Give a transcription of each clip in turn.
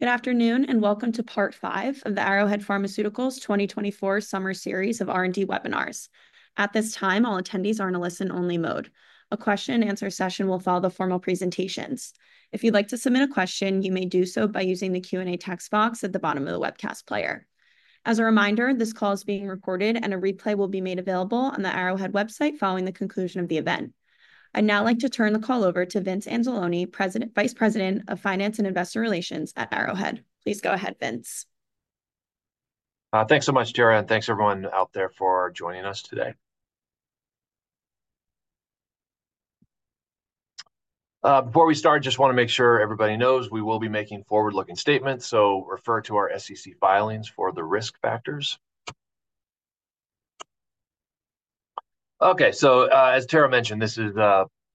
Good afternoon, and welcome to part five of the Arrowhead Pharmaceuticals 2024 summer series of R&D webinars. At this time, all attendees are in a listen-only mode. A question-and-answer session will follow the formal presentations. If you'd like to submit a question, you may do so by using the Q&A text box at the bottom of the webcast player. As a reminder, this call is being recorded, and a replay will be made available on the Arrowhead website following the conclusion of the event. I'd now like to turn the call over to Vince Anzalone, president, vice president of Finance and Investor Relations at Arrowhead. Please go ahead, Vince. Thanks so much, Tara, and thanks everyone out there for joining us today. Before we start, just wanna make sure everybody knows we will be making forward-looking statements, so refer to our SEC filings for the risk factors. Okay, so, as Tara mentioned, this is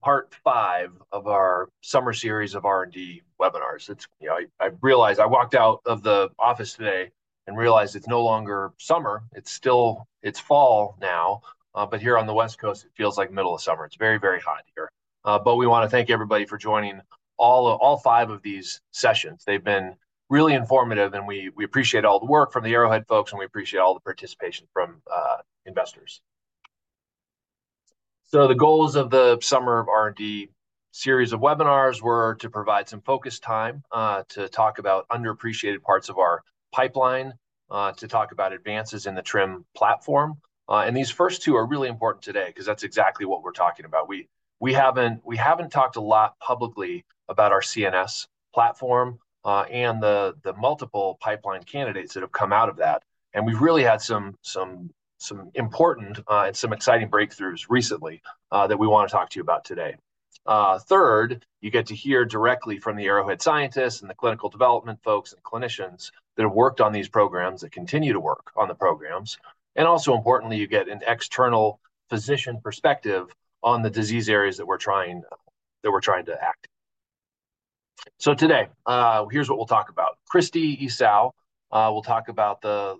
part five of our summer series of R&D webinars. It's, you know, I realized I walked out of the office today and realized it's no longer summer. It's still... It's fall now, but here on the West Coast, it feels like middle of summer. It's very, very hot here. But we wanna thank everybody for joining all five of these sessions. They've been really informative, and we appreciate all the work from the Arrowhead folks, and we appreciate all the participation from investors. So the goals of the summer of R&D series of webinars were to provide some focused time, to talk about underappreciated parts of our pipeline, to talk about advances in the TRiM platform. And these first two are really important today 'cause that's exactly what we're talking about. We haven't talked a lot publicly about our CNS platform, and the multiple pipeline candidates that have come out of that, and we've really had some important, and some exciting breakthroughs recently, that we wanna talk to you about today. Third, you get to hear directly from the Arrowhead scientists and the clinical development folks and clinicians that have worked on these programs, that continue to work on the programs. And also, importantly, you get an external physician perspective on the disease areas that we're trying to act. So today, here's what we'll talk about. Christi Esau will talk about the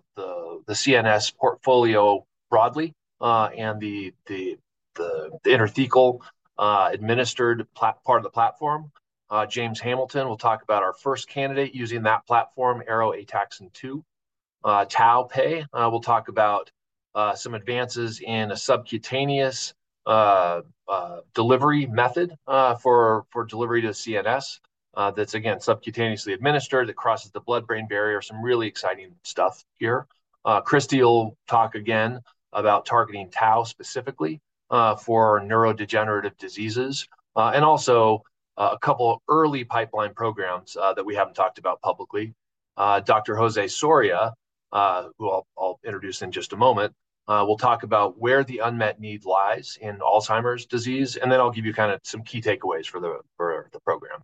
CNS portfolio broadly, and the intrathecal administered part of the platform. James Hamilton will talk about our first candidate using that platform, ARO-ataxin-2. Tao Pei will talk about some advances in a subcutaneous delivery method for delivery to CNS that's, again, subcutaneously administered, that crosses the blood-brain barrier. Some really exciting stuff here. Christi will talk again about targeting tau, specifically, for neurodegenerative diseases, and also a couple early pipeline programs that we haven't talked about publicly. Dr. Jose Soria, who I'll introduce in just a moment, will talk about where the unmet need lies in Alzheimer's disease, and then I'll give you kinda some key takeaways for the program.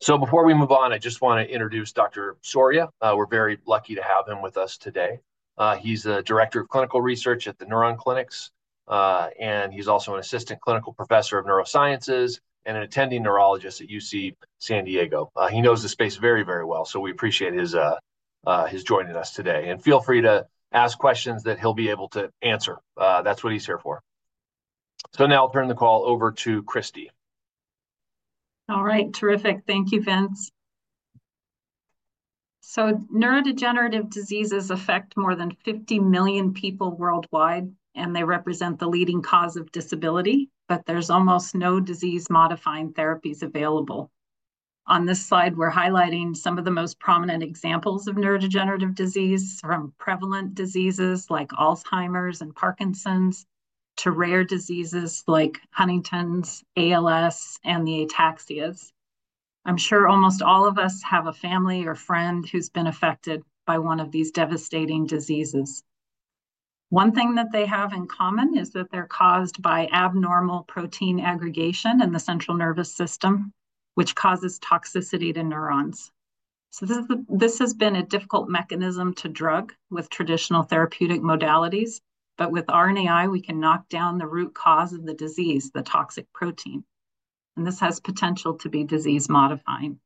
So before we move on, I just wanna introduce Dr. Soria. We're very lucky to have him with us today. He's the director of clinical research at The Neuron Clinic, and he's also an assistant clinical professor of neurosciences and an attending neurologist at UC San Diego. He knows the space very, very well, so we appreciate his joining us today. And feel free to ask questions that he'll be able to answer. That's what he's here for. So now I'll turn the call over to Christi. All right. Terrific. Thank you, Vince. So neurodegenerative diseases affect more than 50 million people worldwide, and they represent the leading cause of disability, but there's almost no disease-modifying therapies available. On this slide, we're highlighting some of the most prominent examples of neurodegenerative disease, from prevalent diseases like Alzheimer's and Parkinson's, to rare diseases like Huntington's, ALS, and the ataxias. I'm sure almost all of us have a family or friend who's been affected by one of these devastating diseases. One thing that they have in common is that they're caused by abnormal protein aggregation in the central nervous system, which causes toxicity to neurons. So this has been a difficult mechanism to drug with traditional therapeutic modalities, but with RNAi, we can knock down the root cause of the disease, the toxic protein, and this has potential to be disease-modifying.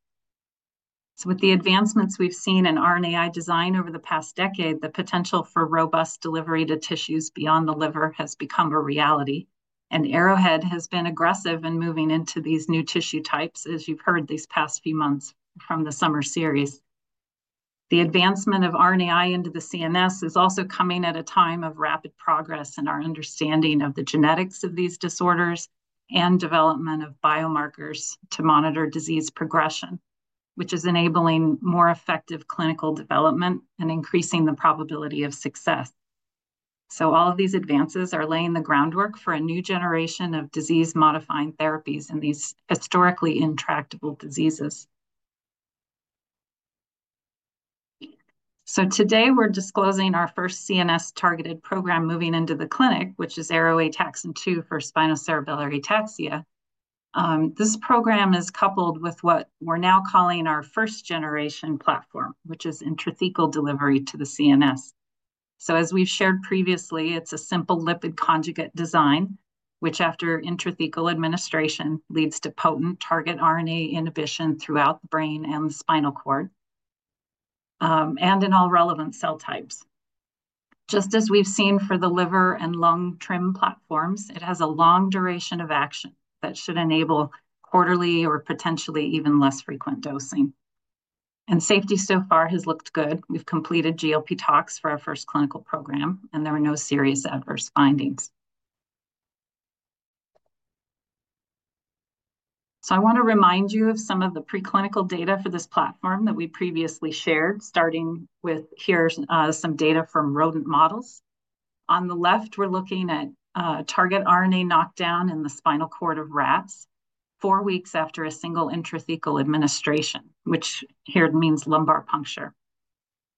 So with the advancements we've seen in RNAi design over the past decade, the potential for robust delivery to tissues beyond the liver has become a reality, and Arrowhead has been aggressive in moving into these new tissue types, as you've heard these past few months from the summer series. The advancement of RNAi into the CNS is also coming at a time of rapid progress in our understanding of the genetics of these disorders and development of biomarkers to monitor disease progression, which is enabling more effective clinical development and increasing the probability of success. So all of these advances are laying the groundwork for a new generation of disease-modifying therapies in these historically intractable diseases. So today, we're disclosing our first CNS-targeted program moving into the clinic, which is ARO-ataxin-2 for spinocerebellar ataxia. This program is coupled with what we're now calling our first-generation platform, which is intrathecal delivery to the CNS. So as we've shared previously, it's a simple lipid conjugate design, which, after intrathecal administration, leads to potent target RNA inhibition throughout the brain and the spinal cord, and in all relevant cell types. Just as we've seen for the liver and lung TRiM platforms, it has a long duration of action that should enable quarterly or potentially even less frequent dosing, and safety so far has looked good. We've completed GLP tox for our first clinical program, and there were no serious adverse findings, so I wanna remind you of some of the preclinical data for this platform that we previously shared, starting with here's some data from rodent models. On the left, we're looking at target RNA knockdown in the spinal cord of rats four weeks after a single intrathecal administration, which here means lumbar puncture.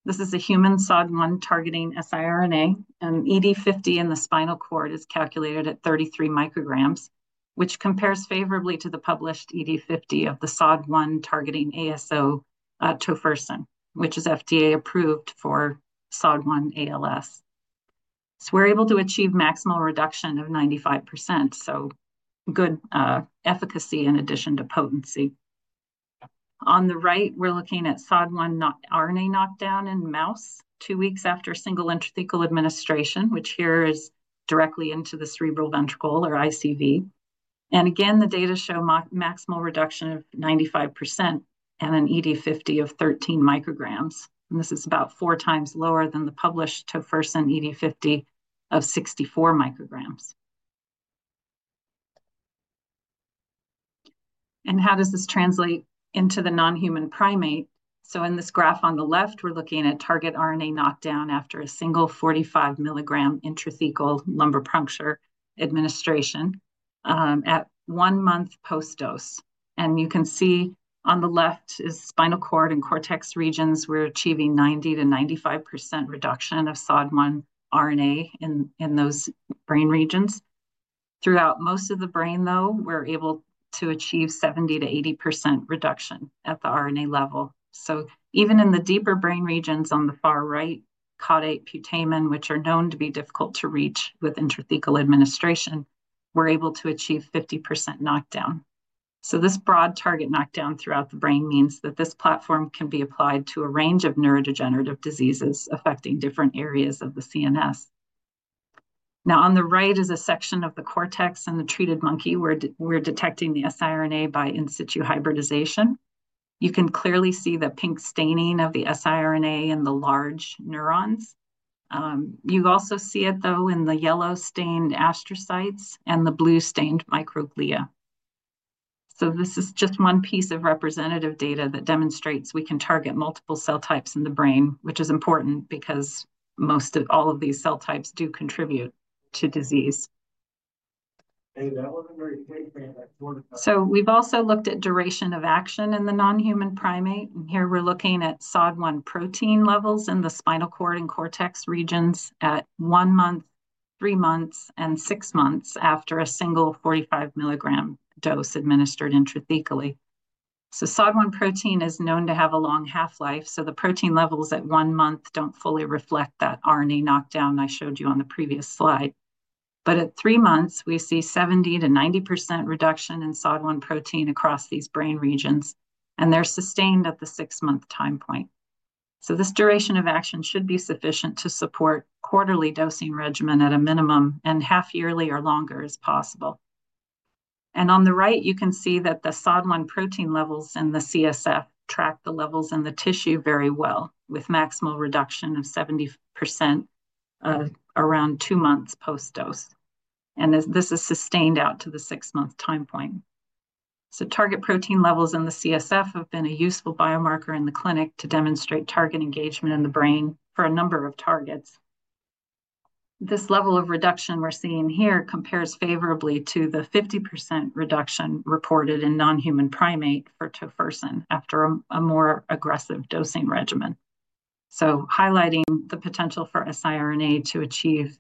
This is a human SOD1-targeting siRNA, and ED50 in the spinal cord is calculated at 33 mcg, which compares favorably to the published ED50 of the SOD1-targeting ASO, tofersen, which is FDA-approved for SOD1 ALS. So we're able to achieve maximal reduction of 95%, so good efficacy in addition to potency. On the right, we're looking at SOD1 RNA knockdown in mouse two weeks after single intrathecal administration, which here is directly into the cerebral ventricle, or ICV. And again, the data show maximal reduction of 95% and an ED50 of 13 mcg, and this is about four times lower than the published tofersen ED50 of 64 mcg. How does this translate into the non-human primate? In this graph on the left, we're looking at target RNA knockdown after a single 45 mg intrathecal lumbar puncture administration at one month post-dose. You can see on the left, spinal cord and cortex regions, we're achieving 90%-95% reduction of SOD1 RNA in those brain regions. Throughout most of the brain, though, we're able to achieve 70%-80% reduction at the RNA level. Even in the deeper brain regions on the far right, caudate putamen, which are known to be difficult to reach with intrathecal administration, we're able to achieve 50% knockdown. This broad target knockdown throughout the brain means that this platform can be applied to a range of neurodegenerative diseases affecting different areas of the CNS. Now, on the right is a section of the cortex in the treated monkey, where we're detecting the siRNA by in situ hybridization. You can clearly see the pink staining of the siRNA in the large neurons. You also see it, though, in the yellow-stained astrocytes and the blue-stained microglia. So this is just one piece of representative data that demonstrates we can target multiple cell types in the brain, which is important because most of all of these cell types do contribute to disease. So we've also looked at duration of action in the non-human primate, and here we're looking at SOD1 protein levels in the spinal cord and cortex regions at one month, three months, and six months after a single 45 mg dose administered intrathecally. SOD1 protein is known to have a long half-life, so the protein levels at one month don't fully reflect that RNA knockdown I showed you on the previous slide. At three months, we see 70%-90% reduction in SOD1 protein across these brain regions, and they're sustained at the six-month time point. This duration of action should be sufficient to support quarterly dosing regimen at a minimum, and half-yearly or longer is possible. On the right, you can see that the SOD1 protein levels in the CSF track the levels in the tissue very well, with maximal reduction of 70% around two months post-dose, and this is sustained out to the six-month time point. Target protein levels in the CSF have been a useful biomarker in the clinic to demonstrate target engagement in the brain for a number of targets. This level of reduction we're seeing here compares favorably to the 50% reduction reported in non-human primate for tofersen after a more aggressive dosing regimen. So highlighting the potential for siRNA to achieve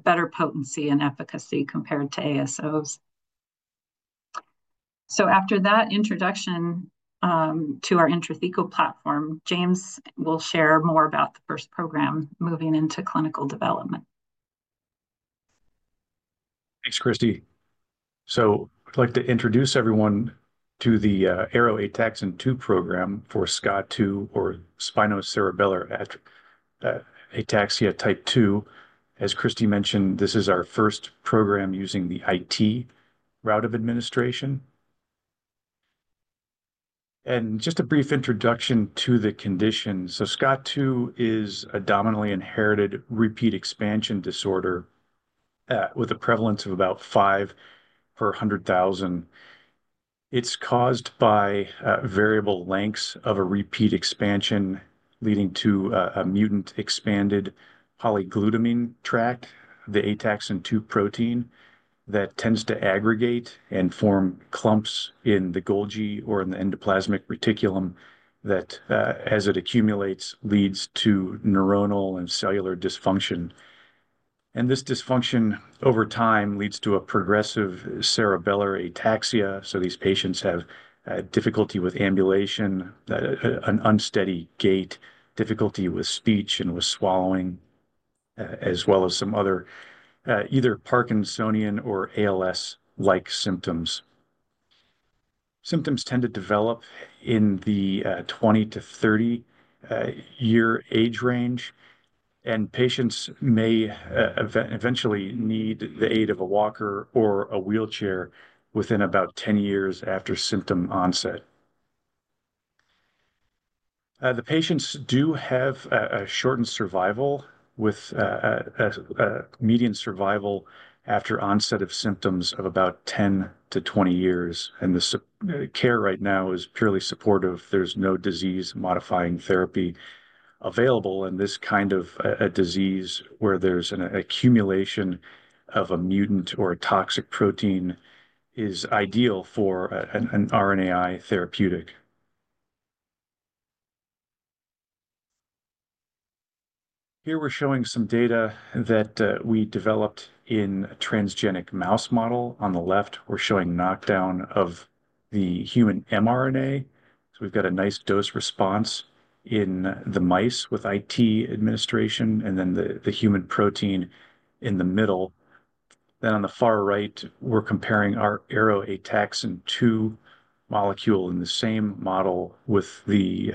better potency and efficacy compared to ASOs. After that introduction to our intrathecal platform, James will share more about the first program moving into clinical development. Thanks, Christi. So I'd like to introduce everyone to the ARO-ATXN2 program for SCA2, or spinocerebellar ataxia type 2. As Christi mentioned, this is our first program using the IT route of administration. And just a brief introduction to the condition. So SCA2 is a dominantly inherited repeat expansion disorder with a prevalence of about five per hundred thousand. It's caused by variable lengths of a repeat expansion, leading to a mutant expanded polyglutamine tract in the ataxin-2 protein that tends to aggregate and form clumps in the Golgi or in the endoplasmic reticulum that as it accumulates leads to neuronal and cellular dysfunction. This dysfunction, over time, leads to a progressive cerebellar ataxia, so these patients have difficulty with ambulation, an unsteady gait, difficulty with speech and with swallowing, as well as some other either Parkinsonian or ALS-like symptoms. Symptoms tend to develop in the 20 year to 30 year age range, and patients may eventually need the aid of a walker or a wheelchair within about 10 years after symptom onset. The patients do have a shortened survival with a median survival after onset of symptoms of about 10 years to 20 years, and the care right now is purely supportive. There's no disease-modifying therapy available, and this kind of a disease where there's an accumulation of a mutant or a toxic protein is ideal for an RNAi therapeutic. Here we're showing some data that we developed in a transgenic mouse model. On the left, we're showing knockdown of the human mRNA. So we've got a nice dose response in the mice with IT administration, and then the human protein in the middle. Then on the far right, we're comparing our ARO-ATXN2 molecule in the same model with the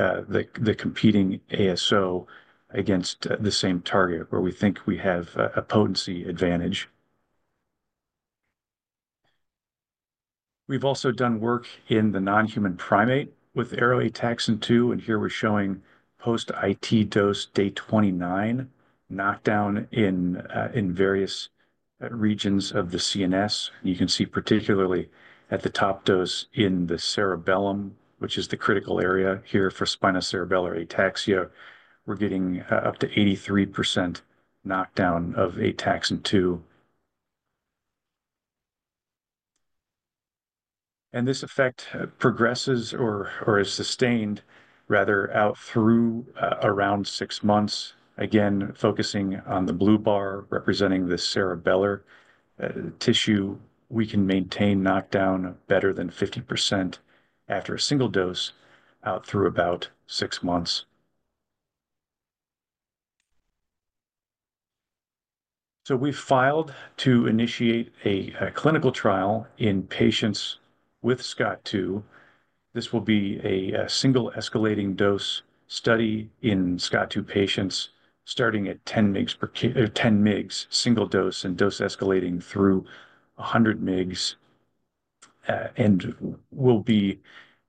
competing ASO against the same target, where we think we have a potency advantage. We've also done work in the non-human primate with ARO-ATXN2, and here we're showing post-IT dose day 29 knockdown in various regions of the CNS. You can see particularly at the top dose in the cerebellum, which is the critical area here for spinocerebellar ataxia, we're getting up to 83% knockdown of ataxin-2. This effect progresses or is sustained rather out through around six months. Again, focusing on the blue bar, representing the cerebellar tissue, we can maintain knockdown better than 50% after a single dose out through about six months. We've filed to initiate a clinical trial in patients with SCA2. This will be a single escalating dose study in SCA2 patients, starting at 10 mg single dose, and dose escalating through 100 mg. We'll be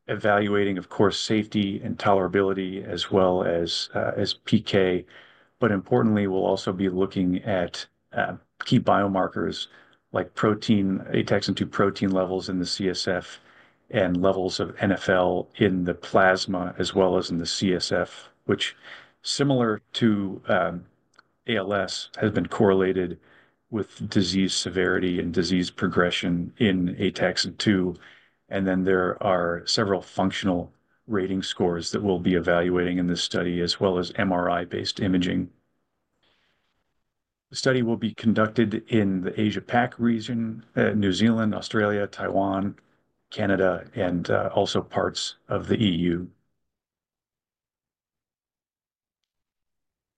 evaluating, of course, safety and tolerability as well as PK. Importantly, we'll also be looking at key biomarkers like ataxin-2 protein levels in the CSF and levels of NfL in the plasma, as well as in the CSF, which, similar to ALS, has been correlated with disease severity and disease progression in ataxin-2. And then there are several functional rating scores that we'll be evaluating in this study, as well as MRI-based imaging. The study will be conducted in the Asia-Pac region, New Zealand, Australia, Taiwan, Canada, and also parts of the EU.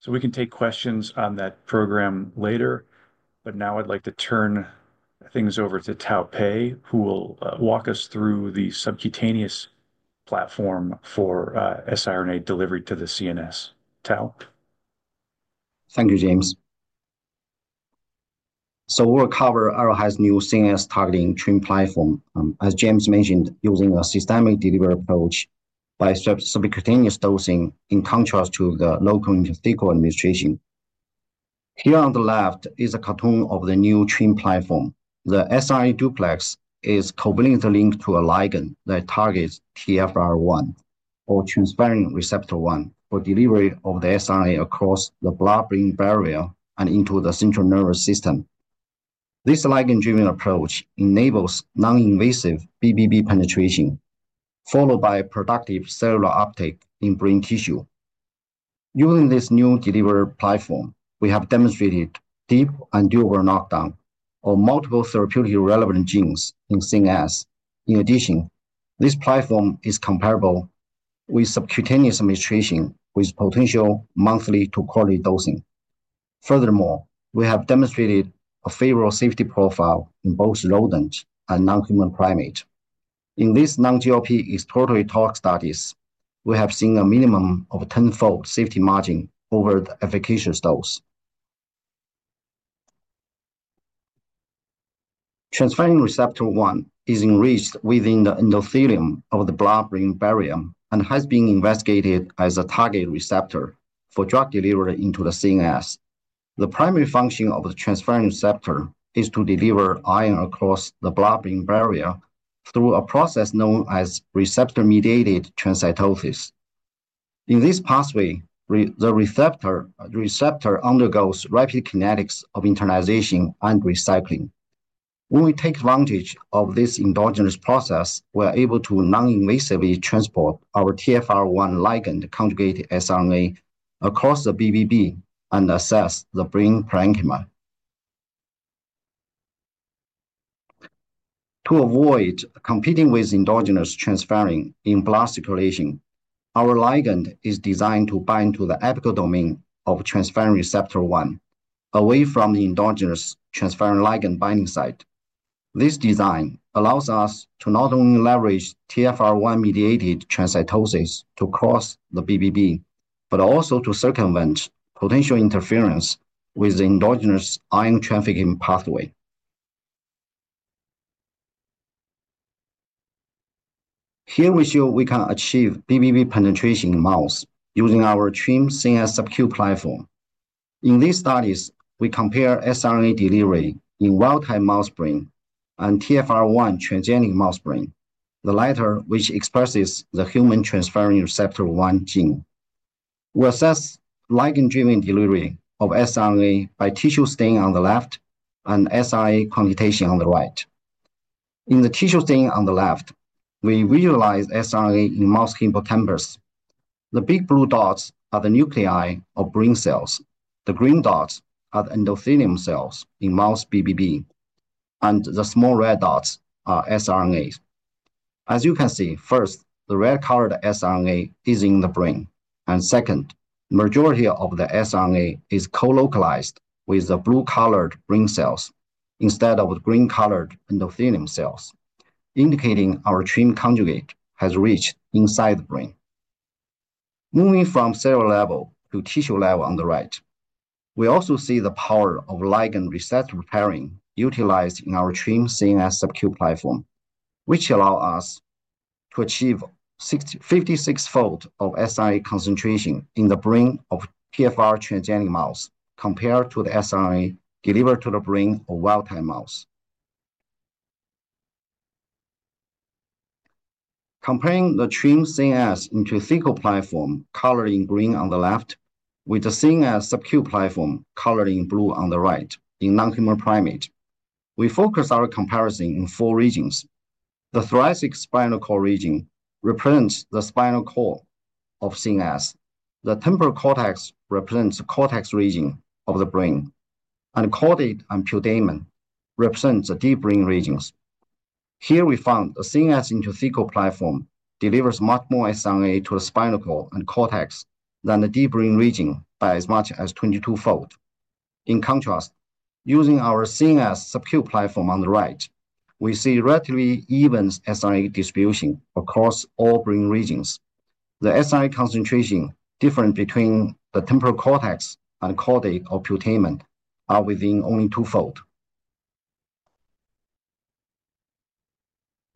So we can take questions on that program later, but now I'd like to turn things over to Tao Pei, who will walk us through the subcutaneous platform for siRNA delivery to the CNS. Tao? Thank you, James. So we'll cover Arrowhead's new CNS-targeting TRiM platform, as James mentioned, using a systemic delivery approach by subcutaneous dosing, in contrast to the local intrathecal administration. Here on the left is a cartoon of the new TRiM platform. The siRNA duplex is covalently linked to a ligand that targets TFR1, or transferrin receptor 1, for delivery of the siRNA across the blood-brain barrier and into the central nervous system. This ligand-driven approach enables non-invasive BBB penetration, followed by productive cellular uptake in brain tissue. Using this new delivery platform, we have demonstrated deep and durable knockdown of multiple therapeutically relevant genes in CNS. In addition, this platform is comparable with subcutaneous administration, with potential monthly to quarterly dosing. Furthermore, we have demonstrated a favorable safety profile in both rodents and non-human primate. In this non-GLP exploratory tox studies, we have seen a minimum of ten-fold safety margin over the efficacious dose. Transferrin receptor 1 is enriched within the endothelium of the blood-brain barrier and has been investigated as a target receptor for drug delivery into the CNS. The primary function of the transferrin receptor is to deliver iron across the blood-brain barrier through a process known as receptor-mediated transcytosis. In this pathway, the receptor undergoes rapid kinetics of internalization and recycling. When we take advantage of this endogenous process, we're able to non-invasively transport our TFR1 ligand conjugated siRNA across the BBB and assess the brain parenchyma. To avoid competing with endogenous transferrin in blood circulation, our ligand is designed to bind to the apical domain of transferrin receptor 1 away from the endogenous transferrin ligand binding site. This design allows us to not only leverage TfR1-mediated transcytosis to cross the BBB, but also to circumvent potential interference with the endogenous ion trafficking pathway. Here we show we can achieve BBB penetration in mouse using our TRiM CNS subQ platform. In these studies, we compare siRNA delivery in wild-type mouse brain and TfR1 transgenic mouse brain, the latter which expresses the human transferrin receptor 1 gene. We assess ligand-driven delivery of siRNA by tissue stain on the left and SI quantitation on the right. In the tissue stain on the left, we visualize siRNA in mouse hippocampi. The big blue dots are the nuclei of brain cells. The green dots are the endothelial cells in mouse BBB, and the small red dots are siRNAs. As you can see, first, the red colored siRNA is in the brain, and second, majority of the siRNA is co-localized with the blue-colored brain cells instead of green-colored endothelium cells, indicating our TRiM conjugate has reached inside the brain. Moving from cellular level to tissue level on the right, we also see the power of ligand receptor pairing utilized in our TRiM CNS subQ platform, which allow us to achieve 56-fold siRNA concentration in the brain of TFR transgenic mouse, compared to the siRNA delivered to the brain of wild-type mouse. Comparing the TRiM CNS intravenous platform, colored in green on the left, with the same subQ platform, colored in blue on the right in non-human primate, we focus our comparison in four regions. The thoracic spinal cord region represents the spinal cord of CNS. The temporal cortex represents the cortex region of the brain, and caudate and putamen represents the deep brain regions. Here we found the CNS intrathecal platform delivers much more siRNA to the spinal cord and cortex than the deep brain region by as much as 22-fold. In contrast, using our CNS subQ platform on the right, we see relatively even siRNA distribution across all brain regions. The siRNA concentration differences between the temporal cortex and caudate or putamen are within only 2-fold.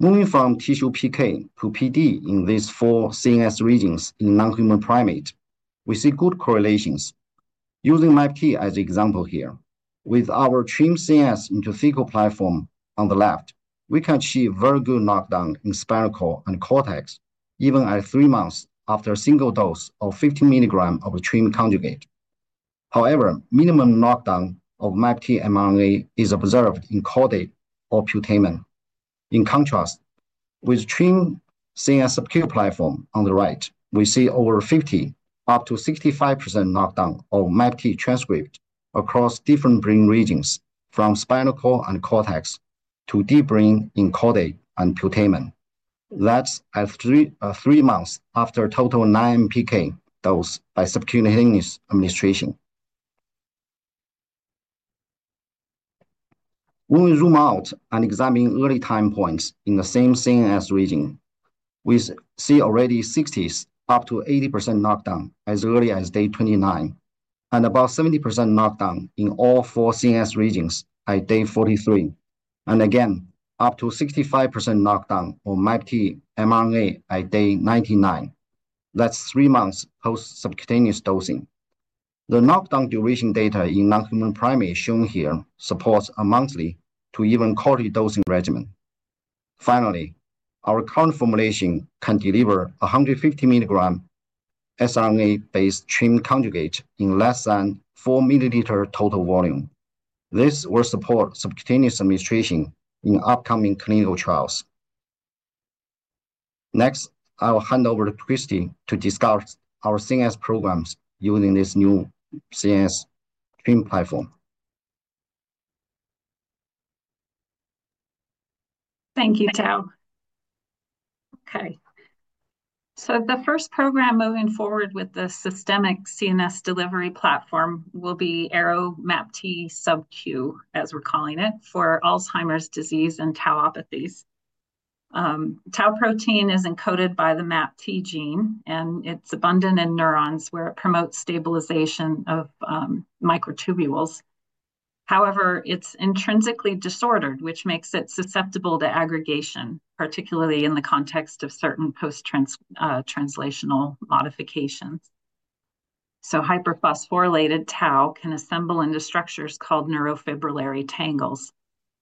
Moving from tissue PK to PD in these four CNS regions in non-human primate, we see good correlations. Using MAPT as an example here, with our TRiM CNS intrathecal platform on the left, we can achieve very good knockdown in spinal cord and cortex, even at three months after a single dose of 50 mg of TRiM conjugate. However, minimum knockdown of MAPT mRNA is observed in caudate or putamen. In contrast, with TRiM CNS subQ platform on the right, we see over 50, up to 65% knockdown of MAPT transcript across different brain regions, from spinal cord and cortex to deep brain in caudate and putamen. That's at three, three months after a total 9 PK dose by subcutaneous administration. When we zoom out and examine early time points in the same CNS region, we see already 60s up to 80% knockdown as early as day 29, and about 70% knockdown in all four CNS regions at day 43, and again, up to 65% knockdown on MAPT mRNA at day 99. That's three months post subcutaneous dosing. The knockdown duration data in non-human primate shown here supports a monthly to even quarterly dosing regimen. Finally, our current formulation can deliver 150 mg siRNA-based TRiM conjugate in less than 4 milliliters total volume. This will support subcutaneous administration in upcoming clinical trials. Next, I will hand over to Christine to discuss our CNS programs using this new CNS TRiM platform. Thank you, Tao. Okay, so the first program moving forward with the systemic CNS delivery platform will be ARO-MAPT subQ, as we're calling it, for Alzheimer's disease and tauopathies. Tau protein is encoded by the MAPT gene, and it's abundant in neurons, where it promotes stabilization of microtubules. However, it's intrinsically disordered, which makes it susceptible to aggregation, particularly in the context of certain post-translational modifications. Hyperphosphorylated tau can assemble into structures called neurofibrillary tangles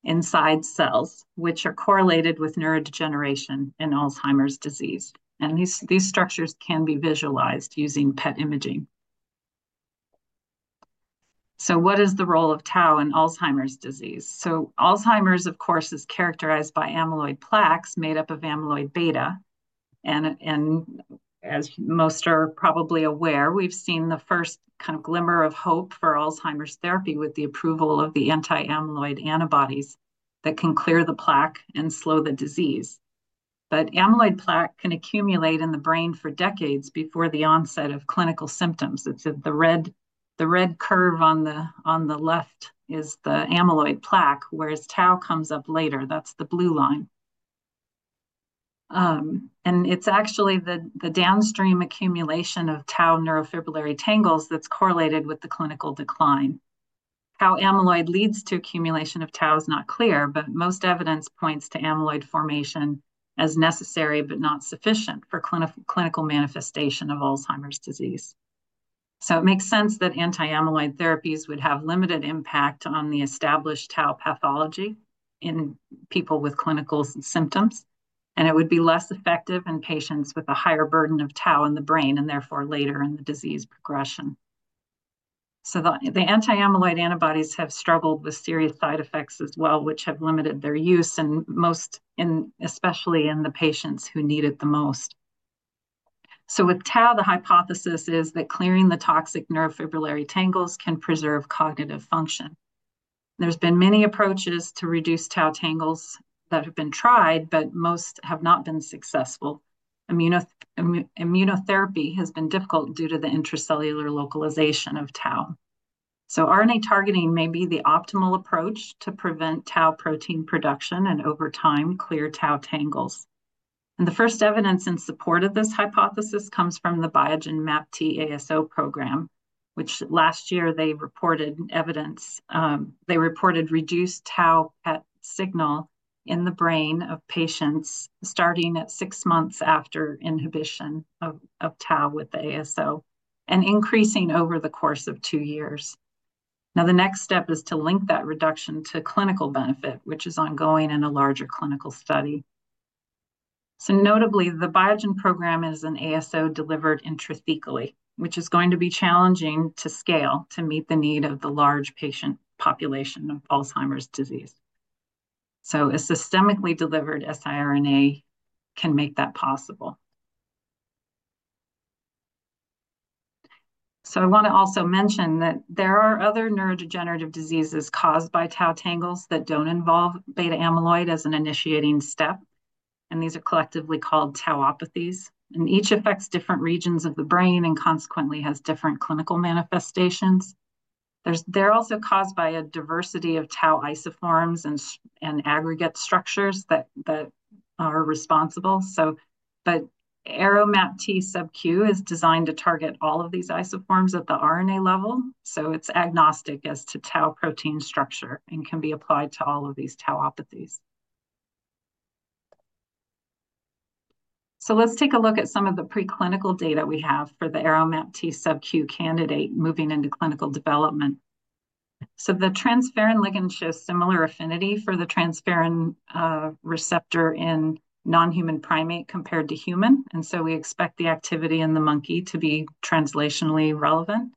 inside cells, which are correlated with neurodegeneration in Alzheimer's disease, and these structures can be visualized using PET imaging. What is the role of tau in Alzheimer's disease? Alzheimer's, of course, is characterized by amyloid plaques made up of amyloid beta. As most are probably aware, we've seen the first kind of glimmer of hope for Alzheimer's therapy with the approval of the anti-amyloid antibodies that can clear the plaque and slow the disease, but amyloid plaque can accumulate in the brain for decades before the onset of clinical symptoms. It's the red curve on the left is the amyloid plaque, whereas tau comes up later. That's the blue line. And it's actually the downstream accumulation of tau neurofibrillary tangles that's correlated with the clinical decline. How amyloid leads to accumulation of tau is not clear, but most evidence points to amyloid formation as necessary, but not sufficient for clinical manifestation of Alzheimer's disease. So it makes sense that anti-amyloid therapies would have limited impact on the established tau pathology in people with clinical symptoms, and it would be less effective in patients with a higher burden of tau in the brain, and therefore, later in the disease progression. So the anti-amyloid antibodies have struggled with serious side effects as well, which have limited their use, and, most especially, in the patients who need it the most. So with tau, the hypothesis is that clearing the toxic neurofibrillary tangles can preserve cognitive function. There's been many approaches to reduce tau tangles that have been tried, but most have not been successful. Immunotherapy has been difficult due to the intracellular localization of tau. So RNA targeting may be the optimal approach to prevent tau protein production, and over time, clear tau tangles. And the first evidence in support of this hypothesis comes from the Biogen MAPT-ASO program, which last year they reported reduced tau PET signal in the brain of patients starting at six months after inhibition of tau with the ASO, and increasing over the course of two years. Now, the next step is to link that reduction to clinical benefit, which is ongoing in a larger clinical study. So notably, the Biogen program is an ASO delivered intrathecally, which is going to be challenging to scale to meet the need of the large patient population of Alzheimer's disease. So a systemically delivered siRNA can make that possible. So I wanna also mention that there are other neurodegenerative diseases caused by tau tangles that don't involve beta amyloid as an initiating step, and these are collectively called tauopathies, and each affects different regions of the brain, and consequently, has different clinical manifestations. They're also caused by a diversity of tau isoforms and aggregate structures that are responsible. So the ARO-MAPT subQ is designed to target all of these isoforms at the RNA level, so it's agnostic as to tau protein structure and can be applied to all of these tauopathies. So let's take a look at some of the preclinical data we have for the ARO-MAPT subQ candidate moving into clinical development. So the transferrin ligand shows similar affinity for the transferrin receptor in non-human primate, compared to human, and so we expect the activity in the monkey to be translationally relevant.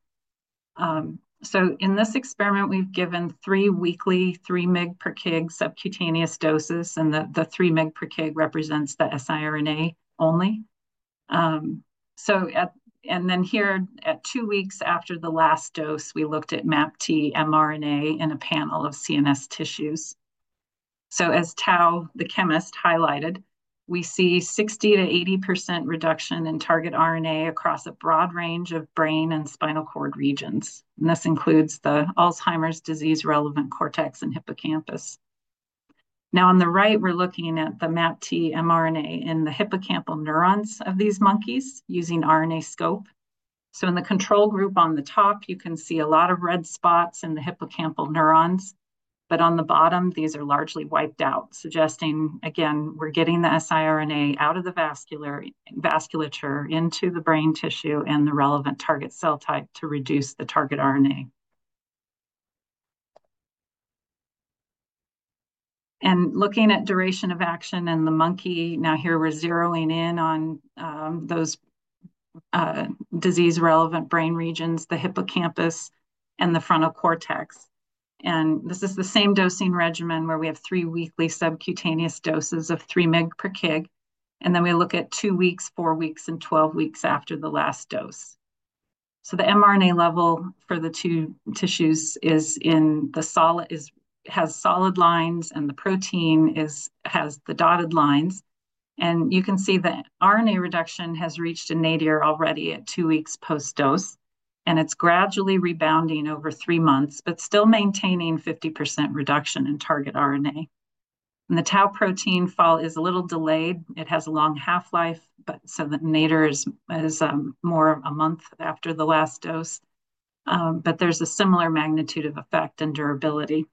So in this experiment, we've given three weekly 3 mg per kg subcutaneous doses, and the 3 mg per kg represents the siRNA only. So at two weeks after the last dose, we looked at MAPT mRNA in a panel of CNS tissues. So as Tao, the chemist, highlighted, we see 60%-80% reduction in target RNA across a broad range of brain and spinal cord regions, and this includes the Alzheimer's disease-relevant cortex and hippocampus. Now, on the right, we're looking at the MAPT mRNA in the hippocampal neurons of these monkeys using RNAscope. So in the control group on the top, you can see a lot of red spots in the hippocampal neurons, but on the bottom, these are largely wiped out, suggesting, again, we're getting the siRNA out of the vasculature into the brain tissue and the relevant target cell type to reduce the target RNA. And looking at duration of action in the monkey, now here we're zeroing in on those disease-relevant brain regions, the hippocampus and the frontal cortex. And this is the same dosing regimen where we have three weekly subcutaneous doses of 3 mg per kg, and then we look at two weeks, four weeks, and 12 weeks after the last dose. So the mRNA level for the two tissues has solid lines, and the protein has the dotted lines. And you can see the RNA reduction has reached a nadir already at two weeks post-dose, and it's gradually rebounding over three months, but still maintaining 50% reduction in target RNA. And the tau protein fall is a little delayed. It has a long half-life, but so the nadir is more a month after the last dose, but there's a similar magnitude of effect and durability.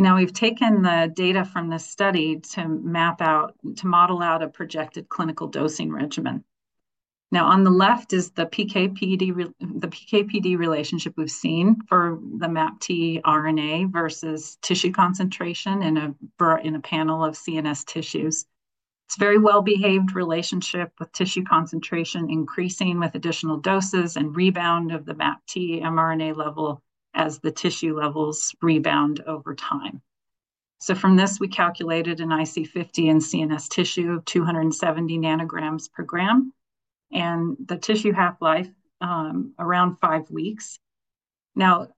Now, we've taken the data from this study to map out- to model out a projected clinical dosing regimen. Now, on the left is the PK/PD relationship we've seen for the MAPT RNA versus tissue concentration in a panel of CNS tissues. It's a very well-behaved relationship, with tissue concentration increasing with additional doses and rebound of the MAPT mRNA level as the tissue levels rebound over time. So from this, we calculated an IC50 in CNS tissue of 270 ng per gram and the tissue half-life around five weeks. Now,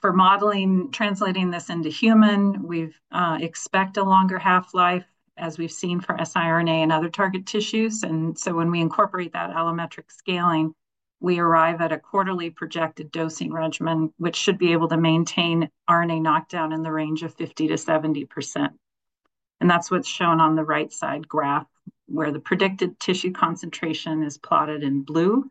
for modeling, translating this into human, we expect a longer half-life, as we've seen for siRNA and other target tissues. And so when we incorporate that allometric scaling, we arrive at a quarterly projected dosing regimen, which should be able to maintain RNA knockdown in the range of 50%-70%. And that's what's shown on the right side graph, where the predicted tissue concentration is plotted in blue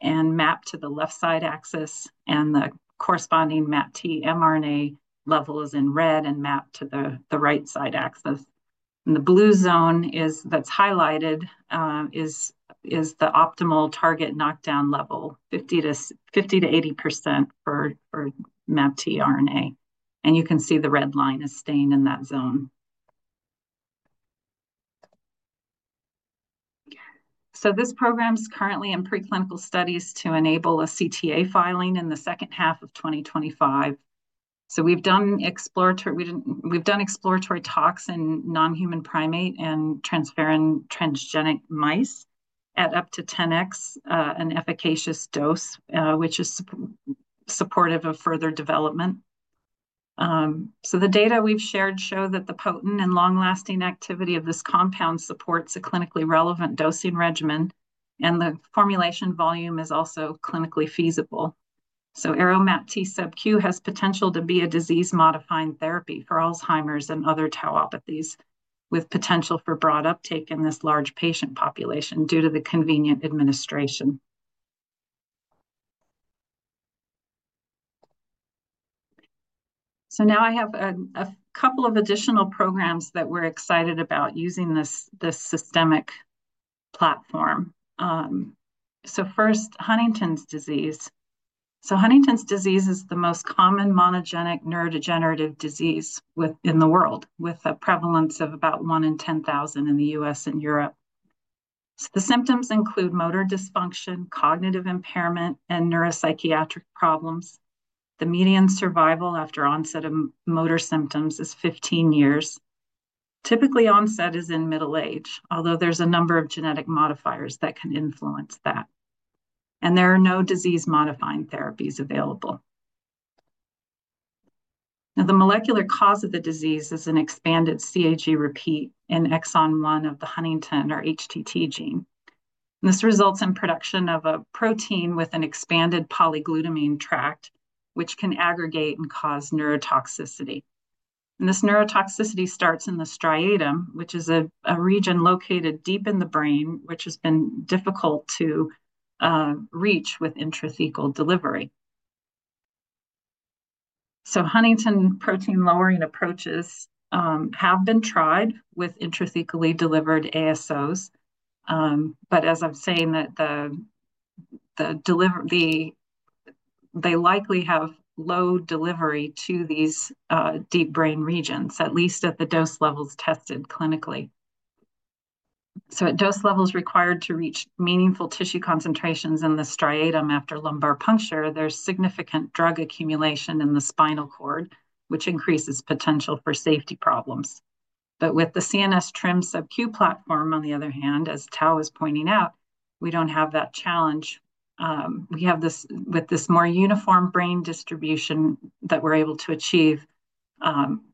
and mapped to the left side axis, and the corresponding MAPT mRNA level is in red and mapped to the right side axis. And the blue zone that's highlighted is the optimal target knockdown level, 50%-80% for MAPT RNA. You can see the red line is staying in that zone. This program's currently in preclinical studies to enable a CTA filing in the second half of 2025. We've done exploratory tox in non-human primate and transferrin transgenic mice at up to 10x an efficacious dose, which is supportive of further development. The data we've shared show that the potent and long-lasting activity of this compound supports a clinically relevant dosing regimen, and the formulation volume is also clinically feasible. ARO-MAPT subQ has potential to be a disease-modifying therapy for Alzheimer's and other tauopathies, with potential for broad uptake in this large patient population due to the convenient administration. Now I have a couple of additional programs that we're excited about using this systemic platform. First, Huntington's disease. Huntington's disease is the most common monogenic neurodegenerative disease with in the world, with a prevalence of about one in ten thousand in the U.S. and Europe. The symptoms include motor dysfunction, cognitive impairment, and neuropsychiatric problems. The median survival after onset of motor symptoms is fifteen years. Typically, onset is in middle age, although there's a number of genetic modifiers that can influence that, and there are no disease-modifying therapies available. Now, the molecular cause of the disease is an expanded CAG repeat in exon 1 of the Huntington or HTT gene. This results in production of a protein with an expanded polyglutamine tract, which can aggregate and cause neurotoxicity. This neurotoxicity starts in the striatum, which is a region located deep in the brain, which has been difficult to reach with intrathecal delivery. So huntingtin protein-lowering approaches have been tried with intrathecally delivered ASOs. But as I'm saying that they likely have low delivery to these deep brain regions, at least at the dose levels tested clinically. So at dose levels required to reach meaningful tissue concentrations in the striatum after lumbar puncture, there's significant drug accumulation in the spinal cord, which increases potential for safety problems. But with the CNS TRiM subQ platform, on the other hand, as Tao is pointing out, we don't have that challenge. We have this, with this more uniform brain distribution that we're able to achieve,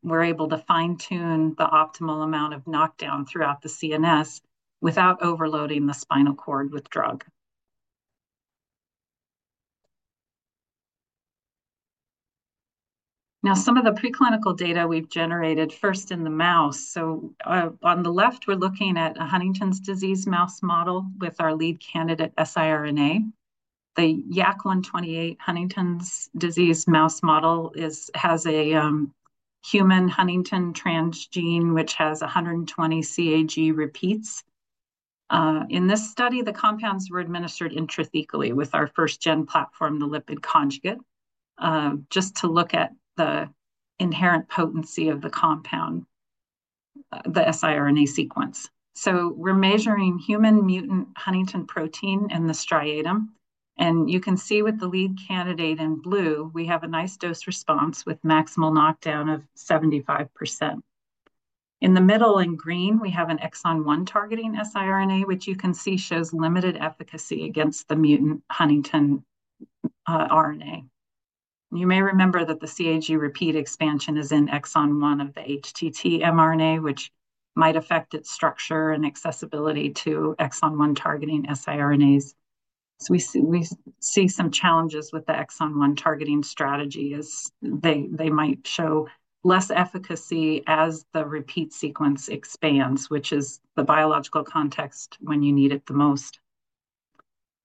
we're able to fine-tune the optimal amount of knockdown throughout the CNS without overloading the spinal cord with drug. Now, some of the preclinical data we've generated first in the mouse. On the left, we're looking at a Huntington's disease mouse model with our lead candidate, siRNA. The YAC128 Huntington's disease mouse model has a human Huntington transgene, which has 120 CAG repeats. In this study, the compounds were administered intrathecally with our first-gen platform, the lipid conjugate, just to look at the inherent potency of the compound, the siRNA sequence. We're measuring human mutant huntingtin protein in the striatum, and you can see with the lead candidate in blue, we have a nice dose-response with maximal knockdown of 75%. In the middle, in green, we have an exon 1-targeting siRNA, which you can see shows limited efficacy against the mutant Huntington RNA. You may remember that the CAG repeat expansion is in exon 1 of the HTT mRNA, which might affect its structure and accessibility to exon one targeting siRNAs. So we see some challenges with the exon one targeting strategy, as they might show less efficacy as the repeat sequence expands, which is the biological context when you need it the most.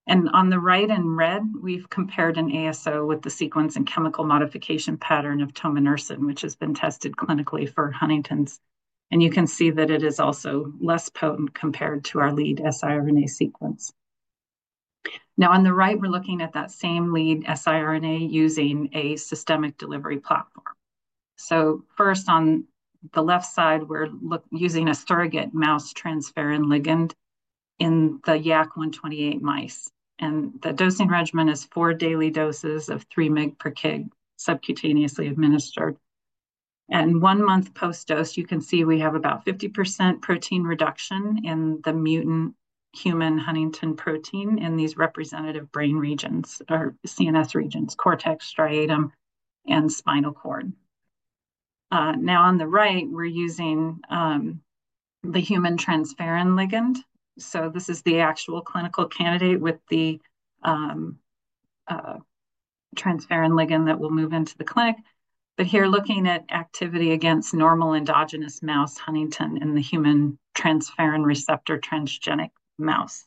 And on the right in red, we've compared an ASO with the sequence and chemical modification pattern of tominersen, which has been tested clinically for Huntington's, and you can see that it is also less potent compared to our lead siRNA sequence. Now, on the right, we're looking at that same lead siRNA using a systemic delivery platform. First, on the left side, we're using a surrogate mouse transferrin ligand in the YAC128 mice, and the dosing regimen is four daily doses of 3 mg per kg, subcutaneously administered. One month post-dose, you can see we have about 50% protein reduction in the mutant human huntingtin protein in these representative brain regions or CNS regions, cortex, striatum, and spinal cord. Now, on the right, we're using the human transferrin ligand. This is the actual clinical candidate with the transferrin ligand that will move into the clinic. Here, looking at activity against normal endogenous mouse huntingtin in the human transferrin receptor transgenic mouse.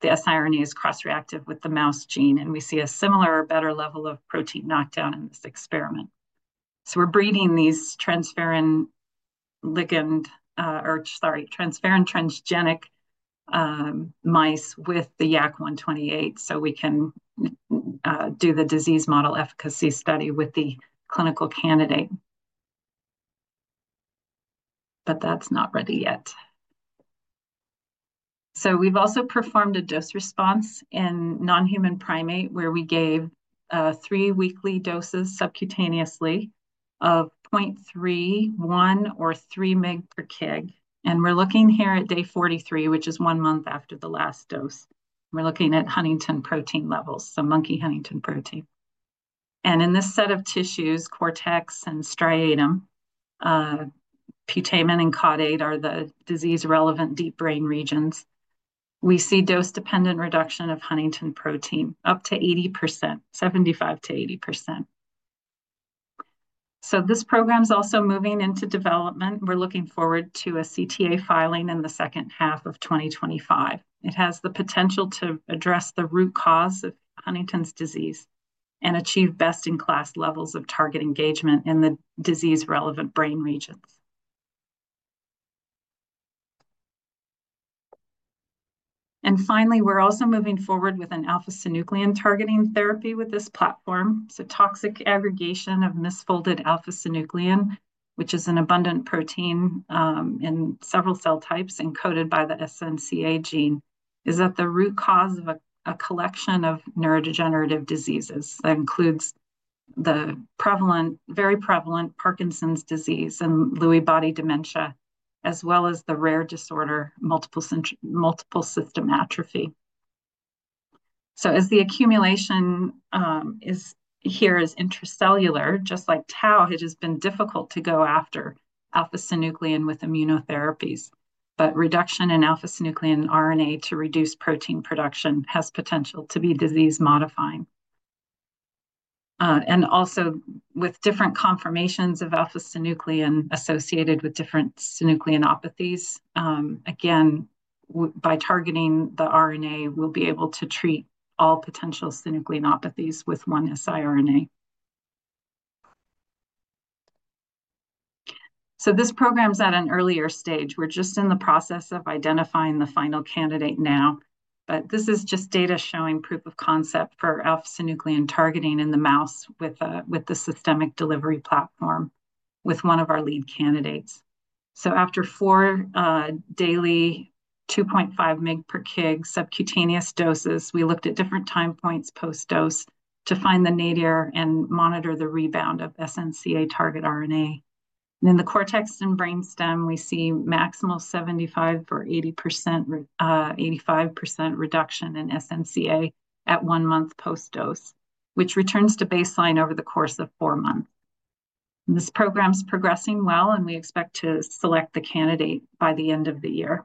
The siRNA is cross-reactive with the mouse gene, and we see a similar or better level of protein knockdown in this experiment. So we're breeding these transferrin ligand, or sorry, transferrin transgenic mice with the YAC128, so we can do the disease model efficacy study with the clinical candidate. But that's not ready yet. So we've also performed a dose response in non-human primate, where we gave three weekly doses subcutaneously of point three, one, or three mg per kg. And we're looking here at day 43, which is one month after the last dose. We're looking at huntingtin protein levels, so monkey huntingtin protein. And in this set of tissues, cortex and striatum, putamen and caudate are the disease-relevant deep brain regions. We see dose-dependent reduction of huntingtin protein, up to 80%, 75%-80%. So this program is also moving into development. We're looking forward to a CTA filing in the second half of 2025. It has the potential to address the root cause of Huntington's disease and achieve best-in-class levels of target engagement in the disease-relevant brain regions. Finally, we're also moving forward with an alpha-synuclein targeting therapy with this platform. Toxic aggregation of misfolded alpha-synuclein, which is an abundant protein in several cell types encoded by the SNCA gene, is at the root cause of a collection of neurodegenerative diseases. That includes the prevalent, very prevalent Parkinson's disease and Lewy body dementia, as well as the rare disorder, multiple system atrophy. As the accumulation is intracellular, just like tau, it has been difficult to go after alpha-synuclein with immunotherapies. But reduction in alpha-synuclein RNA to reduce protein production has potential to be disease-modifying. And also with different conformations of alpha-synuclein associated with different synucleinopathies, again, by targeting the RNA, we'll be able to treat all potential synucleinopathies with one siRNA. This program's at an earlier stage. We're just in the process of identifying the final candidate now, but this is just data showing proof of concept for alpha-synuclein targeting in the mouse with the systemic delivery platform with one of our lead candidates. After four daily 2.5 mg per kg subcutaneous doses, we looked at different time points post-dose to find the nadir and monitor the rebound of SNCA target RNA. In the cortex and brainstem, we see maximal 85% reduction in SNCA at one month post-dose, which returns to baseline over the course of four months. This program's progressing well, and we expect to select the candidate by the end of the year.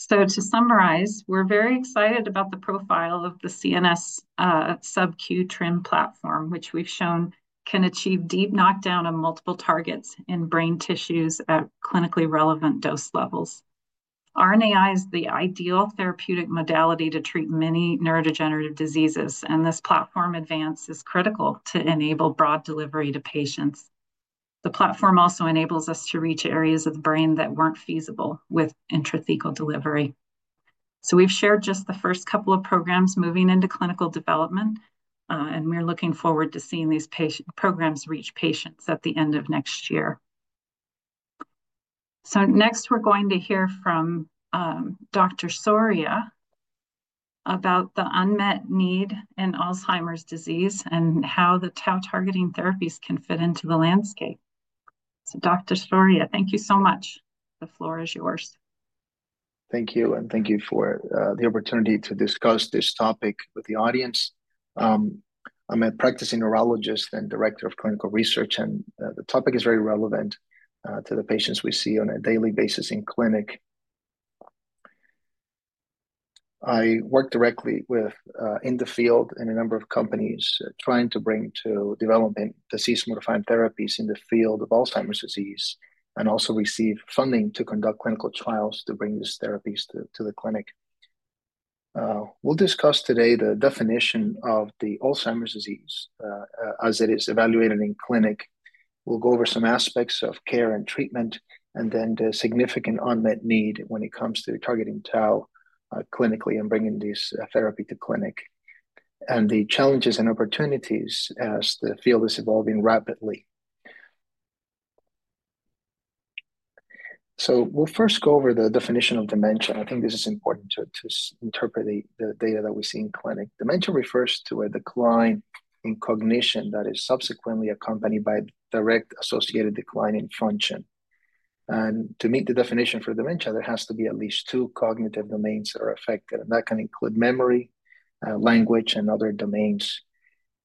So to summarize, we're very excited about the profile of the CNS subQ TRiM platform, which we've shown can achieve deep knockdown of multiple targets in brain tissues at clinically relevant dose levels. RNAi is the ideal therapeutic modality to treat many neurodegenerative diseases, and this platform advance is critical to enable broad delivery to patients. The platform also enables us to reach areas of the brain that weren't feasible with intrathecal delivery. So we've shared just the first couple of programs moving into clinical development, and we're looking forward to seeing these programs reach patients at the end of next year. So next, we're going to hear from Dr. Soria about the unmet need in Alzheimer's disease and how the tau-targeting therapies can fit into the landscape. So, Dr. Soria, thank you so much. The floor is yours. Thank you, and thank you for the opportunity to discuss this topic with the audience. I'm a practicing neurologist and director of clinical research, and the topic is very relevant to the patients we see on a daily basis in clinic. I work directly with in the field in a number of companies trying to bring to development disease-modifying therapies in the field of Alzheimer's disease, and also receive funding to conduct clinical trials to bring these therapies to the clinic. We'll discuss today the definition of the Alzheimer's disease as it is evaluated in clinic. We'll go over some aspects of care and treatment, and then the significant unmet need when it comes to targeting tau clinically and bringing this therapy to clinic, and the challenges and opportunities as the field is evolving rapidly. So we'll first go over the definition of dementia. I think this is important to interpret the data that we see in clinic. Dementia refers to a decline in cognition that is subsequently accompanied by direct associated decline in function. And to meet the definition for dementia, there has to be at least two cognitive domains that are affected, and that can include memory, language, and other domains.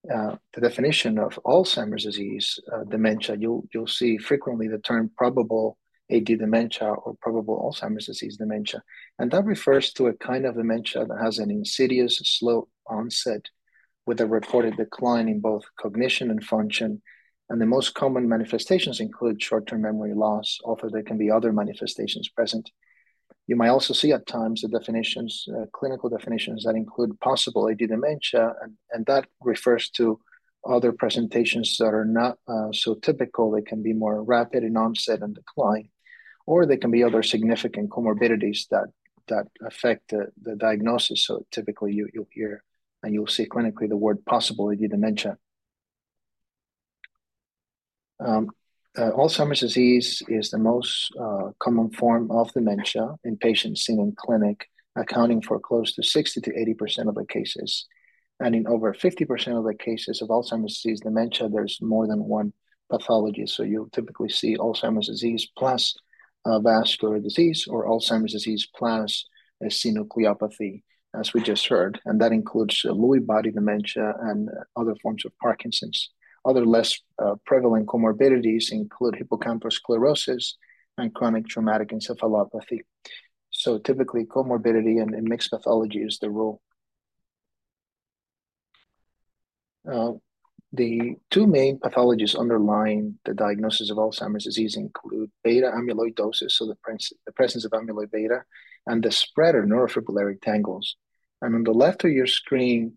The definition of Alzheimer's disease dementia, you'll see frequently the term probable AD dementia or probable Alzheimer's disease dementia, and that refers to a kind of dementia that has an insidious, slow onset with a reported decline in both cognition and function. And the most common manifestations include short-term memory loss. Often, there can be other manifestations present. You might also see at times the definitions, clinical definitions that include possible AD dementia, and that refers to other presentations that are not so typical. They can be more rapid in onset and decline, or there can be other significant comorbidities that affect the diagnosis. So typically, you'll hear and you'll see clinically the word possible AD dementia. Alzheimer's disease is the most common form of dementia in patients seen in clinic, accounting for close to 60%-80% of the cases. And in over 50% of the cases of Alzheimer's disease dementia, there's more than one pathology. So you'll typically see Alzheimer's disease plus vascular disease or Alzheimer's disease plus synucleinopathy, as we just heard, and that includes Lewy body dementia and other forms of Parkinson's. Other less prevalent comorbidities include hippocampal sclerosis and chronic traumatic encephalopathy. So typically, comorbidity and mixed pathology is the rule. The two main pathologies underlying the diagnosis of Alzheimer's disease include beta amyloidosis, so the presence of amyloid beta, and the spread of neurofibrillary tangles. And on the left of your screen,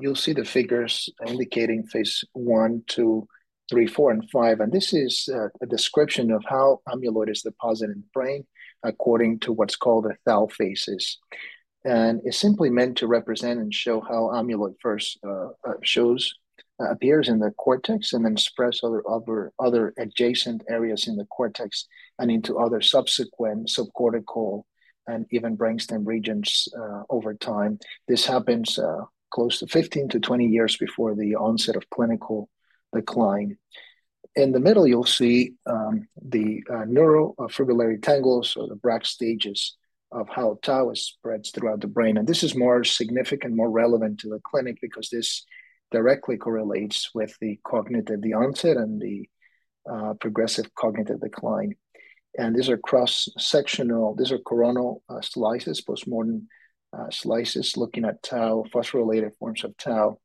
you'll see the figures indicating phase one, two, three, four, and five, and this is a description of how amyloid is deposited in the brain according to what's called the Thal phases. And it's simply meant to represent and show how amyloid first appears in the cortex and then spreads other adjacent areas in the cortex and into other subsequent subcortical and even brainstem regions over time. This happens close to fifteen to twenty years before the onset of clinical decline. In the middle, you'll see the neurofibrillary tangles or the Braak stages of how tau spreads throughout the brain. This is more significant, more relevant to the clinic because this directly correlates with the cognitive, the onset and the progressive cognitive decline. These are cross-sectional. These are coronal slices, post-mortem slices, looking at tau, phosphorylated forms of tau.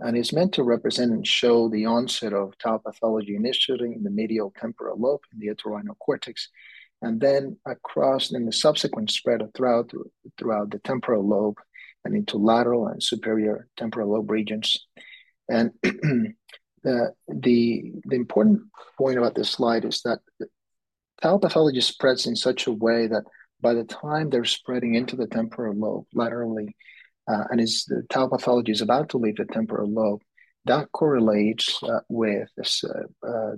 It's meant to represent and show the onset of tau pathology, initially in the medial temporal lobe, in the entorhinal cortex, and then, in the subsequent spread throughout the temporal lobe and into lateral and superior temporal lobe regions. The important point about this slide is that tau pathology spreads in such a way that by the time they're spreading into the temporal lobe laterally, and as the tau pathology is about to leave the temporal lobe, that correlates with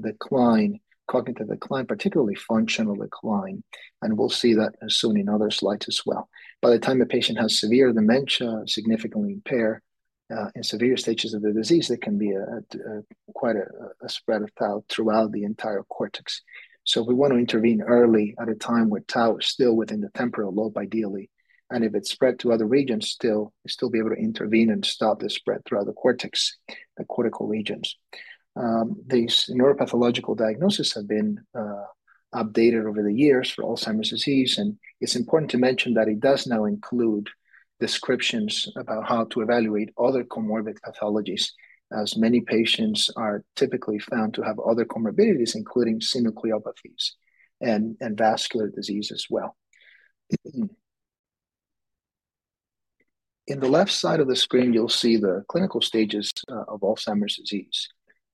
decline, cognitive decline, particularly functional decline, and we'll see that soon in other slides as well. By the time a patient has severe dementia, significantly impaired in severe stages of the disease, there can be quite a spread of tau throughout the entire cortex. We want to intervene early at a time where tau is still within the temporal lobe, ideally, and if it's spread to other regions, still be able to intervene and stop the spread throughout the cortex, the cortical regions. These neuropathological diagnoses have been updated over the years for Alzheimer's disease, and it's important to mention that it does now include descriptions about how to evaluate other comorbid pathologies, as many patients are typically found to have other comorbidities, including synucleinopathies and vascular disease as well. In the left side of the screen, you'll see the clinical stages of Alzheimer's disease,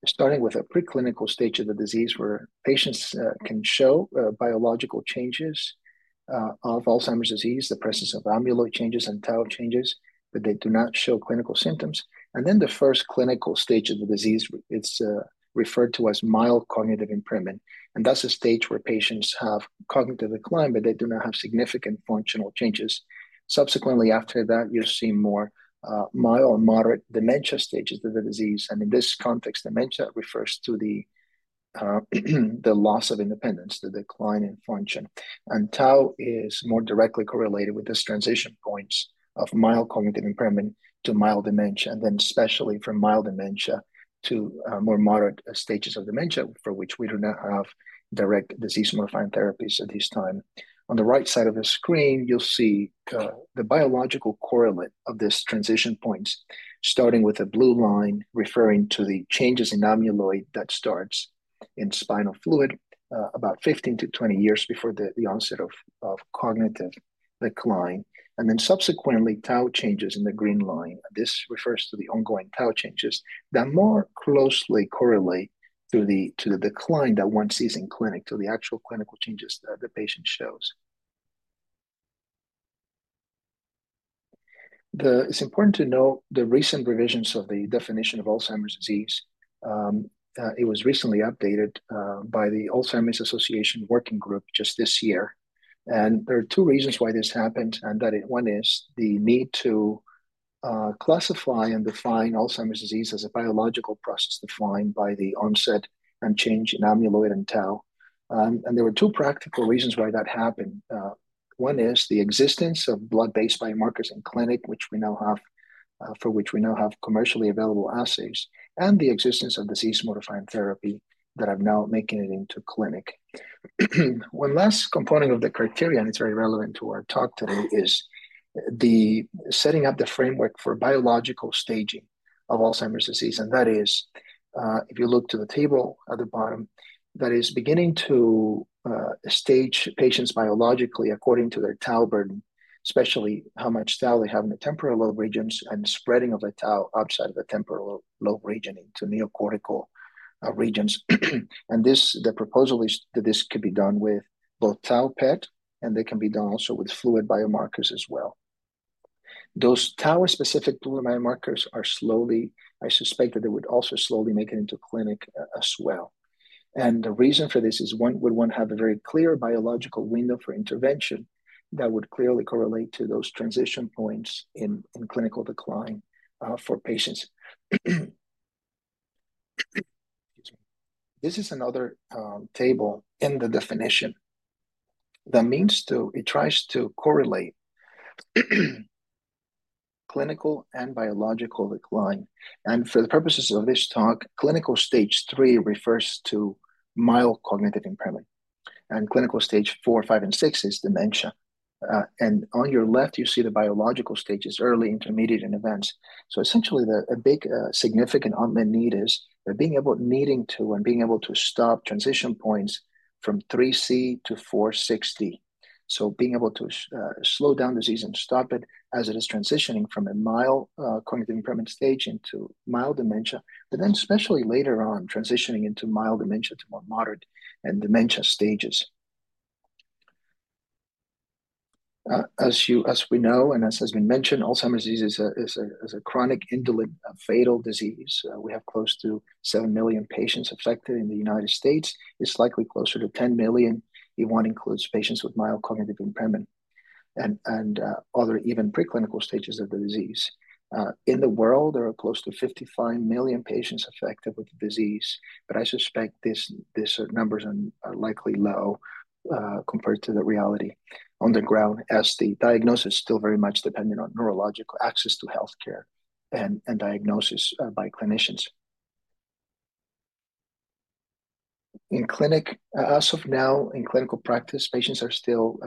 starting with a preclinical stage of the disease, where patients can show biological changes of Alzheimer's disease, the presence of amyloid changes and tau changes, but they do not show clinical symptoms, and then the first clinical stage of the disease, it's referred to as mild cognitive impairment, and that's a stage where patients have cognitive decline, but they do not have significant functional changes. Subsequently, after that, you'll see more mild or moderate dementia stages of the disease. And in this context, dementia refers to the loss of independence, the decline in function. And tau is more directly correlated with these transition points of mild cognitive impairment to mild dementia, and then especially from mild dementia to more moderate stages of dementia, for which we do not have direct disease-modifying therapies at this time. On the right side of the screen, you'll see the biological correlate of these transition points, starting with a blue line, referring to the changes in amyloid that starts in spinal fluid about fifteen to twenty years before the onset of cognitive decline, and then subsequently, tau changes in the green line. This refers to the ongoing tau changes that more closely correlate to the decline that one sees in clinic, to the actual clinical changes that the patient shows. It's important to know the recent revisions of the definition of Alzheimer's disease. It was recently updated by the Alzheimer's Association Working Group just this year. And there are two reasons why this happened, and that one is the need to classify and define Alzheimer's disease as a biological process defined by the onset and change in amyloid and tau. And there were two practical reasons why that happened. One is the existence of blood-based biomarkers in clinic, which we now have, for which we now have commercially available assays, and the existence of disease-modifying therapy that are now making it into clinic. One last component of the criteria, and it's very relevant to our talk today, is the setting up the framework for biological staging of Alzheimer's disease, and that is, if you look to the table at the bottom, that is beginning to stage patients biologically according to their tau burden, especially how much tau they have in the temporal lobe regions and the spreading of the tau outside of the temporal lobe region into neocortical regions, and this, the proposal is that this could be done with both tau PET, and they can be done also with fluid biomarkers as well. Those tau-specific fluid biomarkers are slowly... I suspect that they would also slowly make it into clinic as well. The reason for this is, one, would one have a very clear biological window for intervention that would clearly correlate to those transition points in clinical decline for patients. This is another table in the definition that tries to correlate clinical and biological decline. And for the purposes of this talk, clinical stage III refers to mild cognitive impairment, and clinical stage IV, V, and VI is dementia. And on your left, you see the biological stages, early, intermediate, and advanced. So essentially, a big significant unmet need is that being able, needing to and being able to stop transition points from IIIc to 460. So being able to slow down disease and stop it as it is transitioning from a mild cognitive impairment stage into mild dementia, but then especially later on, transitioning into mild dementia to more moderate and dementia stages. As you, as we know, and as has been mentioned, Alzheimer's disease is a chronic, indolent fatal disease. We have close to seven million patients affected in the United States. It's likely closer to ten million if one includes patients with mild cognitive impairment and other even preclinical stages of the disease. In the world, there are close to 55 million patients affected with the disease, but I suspect these numbers are likely low compared to the reality on the ground, as the diagnosis is still very much dependent on neurological access to healthcare and diagnosis by clinicians. In clinic, as of now, in clinical practice, patients are still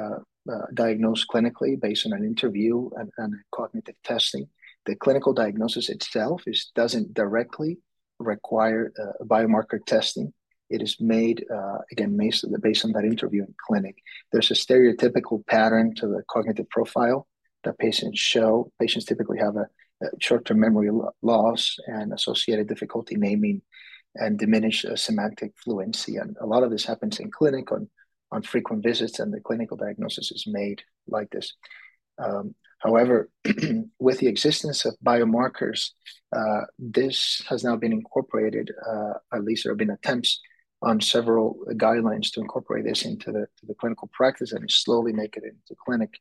diagnosed clinically based on an interview and cognitive testing. The clinical diagnosis itself doesn't directly require biomarker testing. It is made again, based on that interview in clinic. There's a stereotypical pattern to the cognitive profile that patients show. Patients typically have a short-term memory loss and associated difficulty naming and diminished semantic fluency. A lot of this happens in clinic on frequent visits, and the clinical diagnosis is made like this. However, with the existence of biomarkers, this has now been incorporated, at least there have been attempts on several guidelines to incorporate this into the clinical practice and slowly make it into clinic.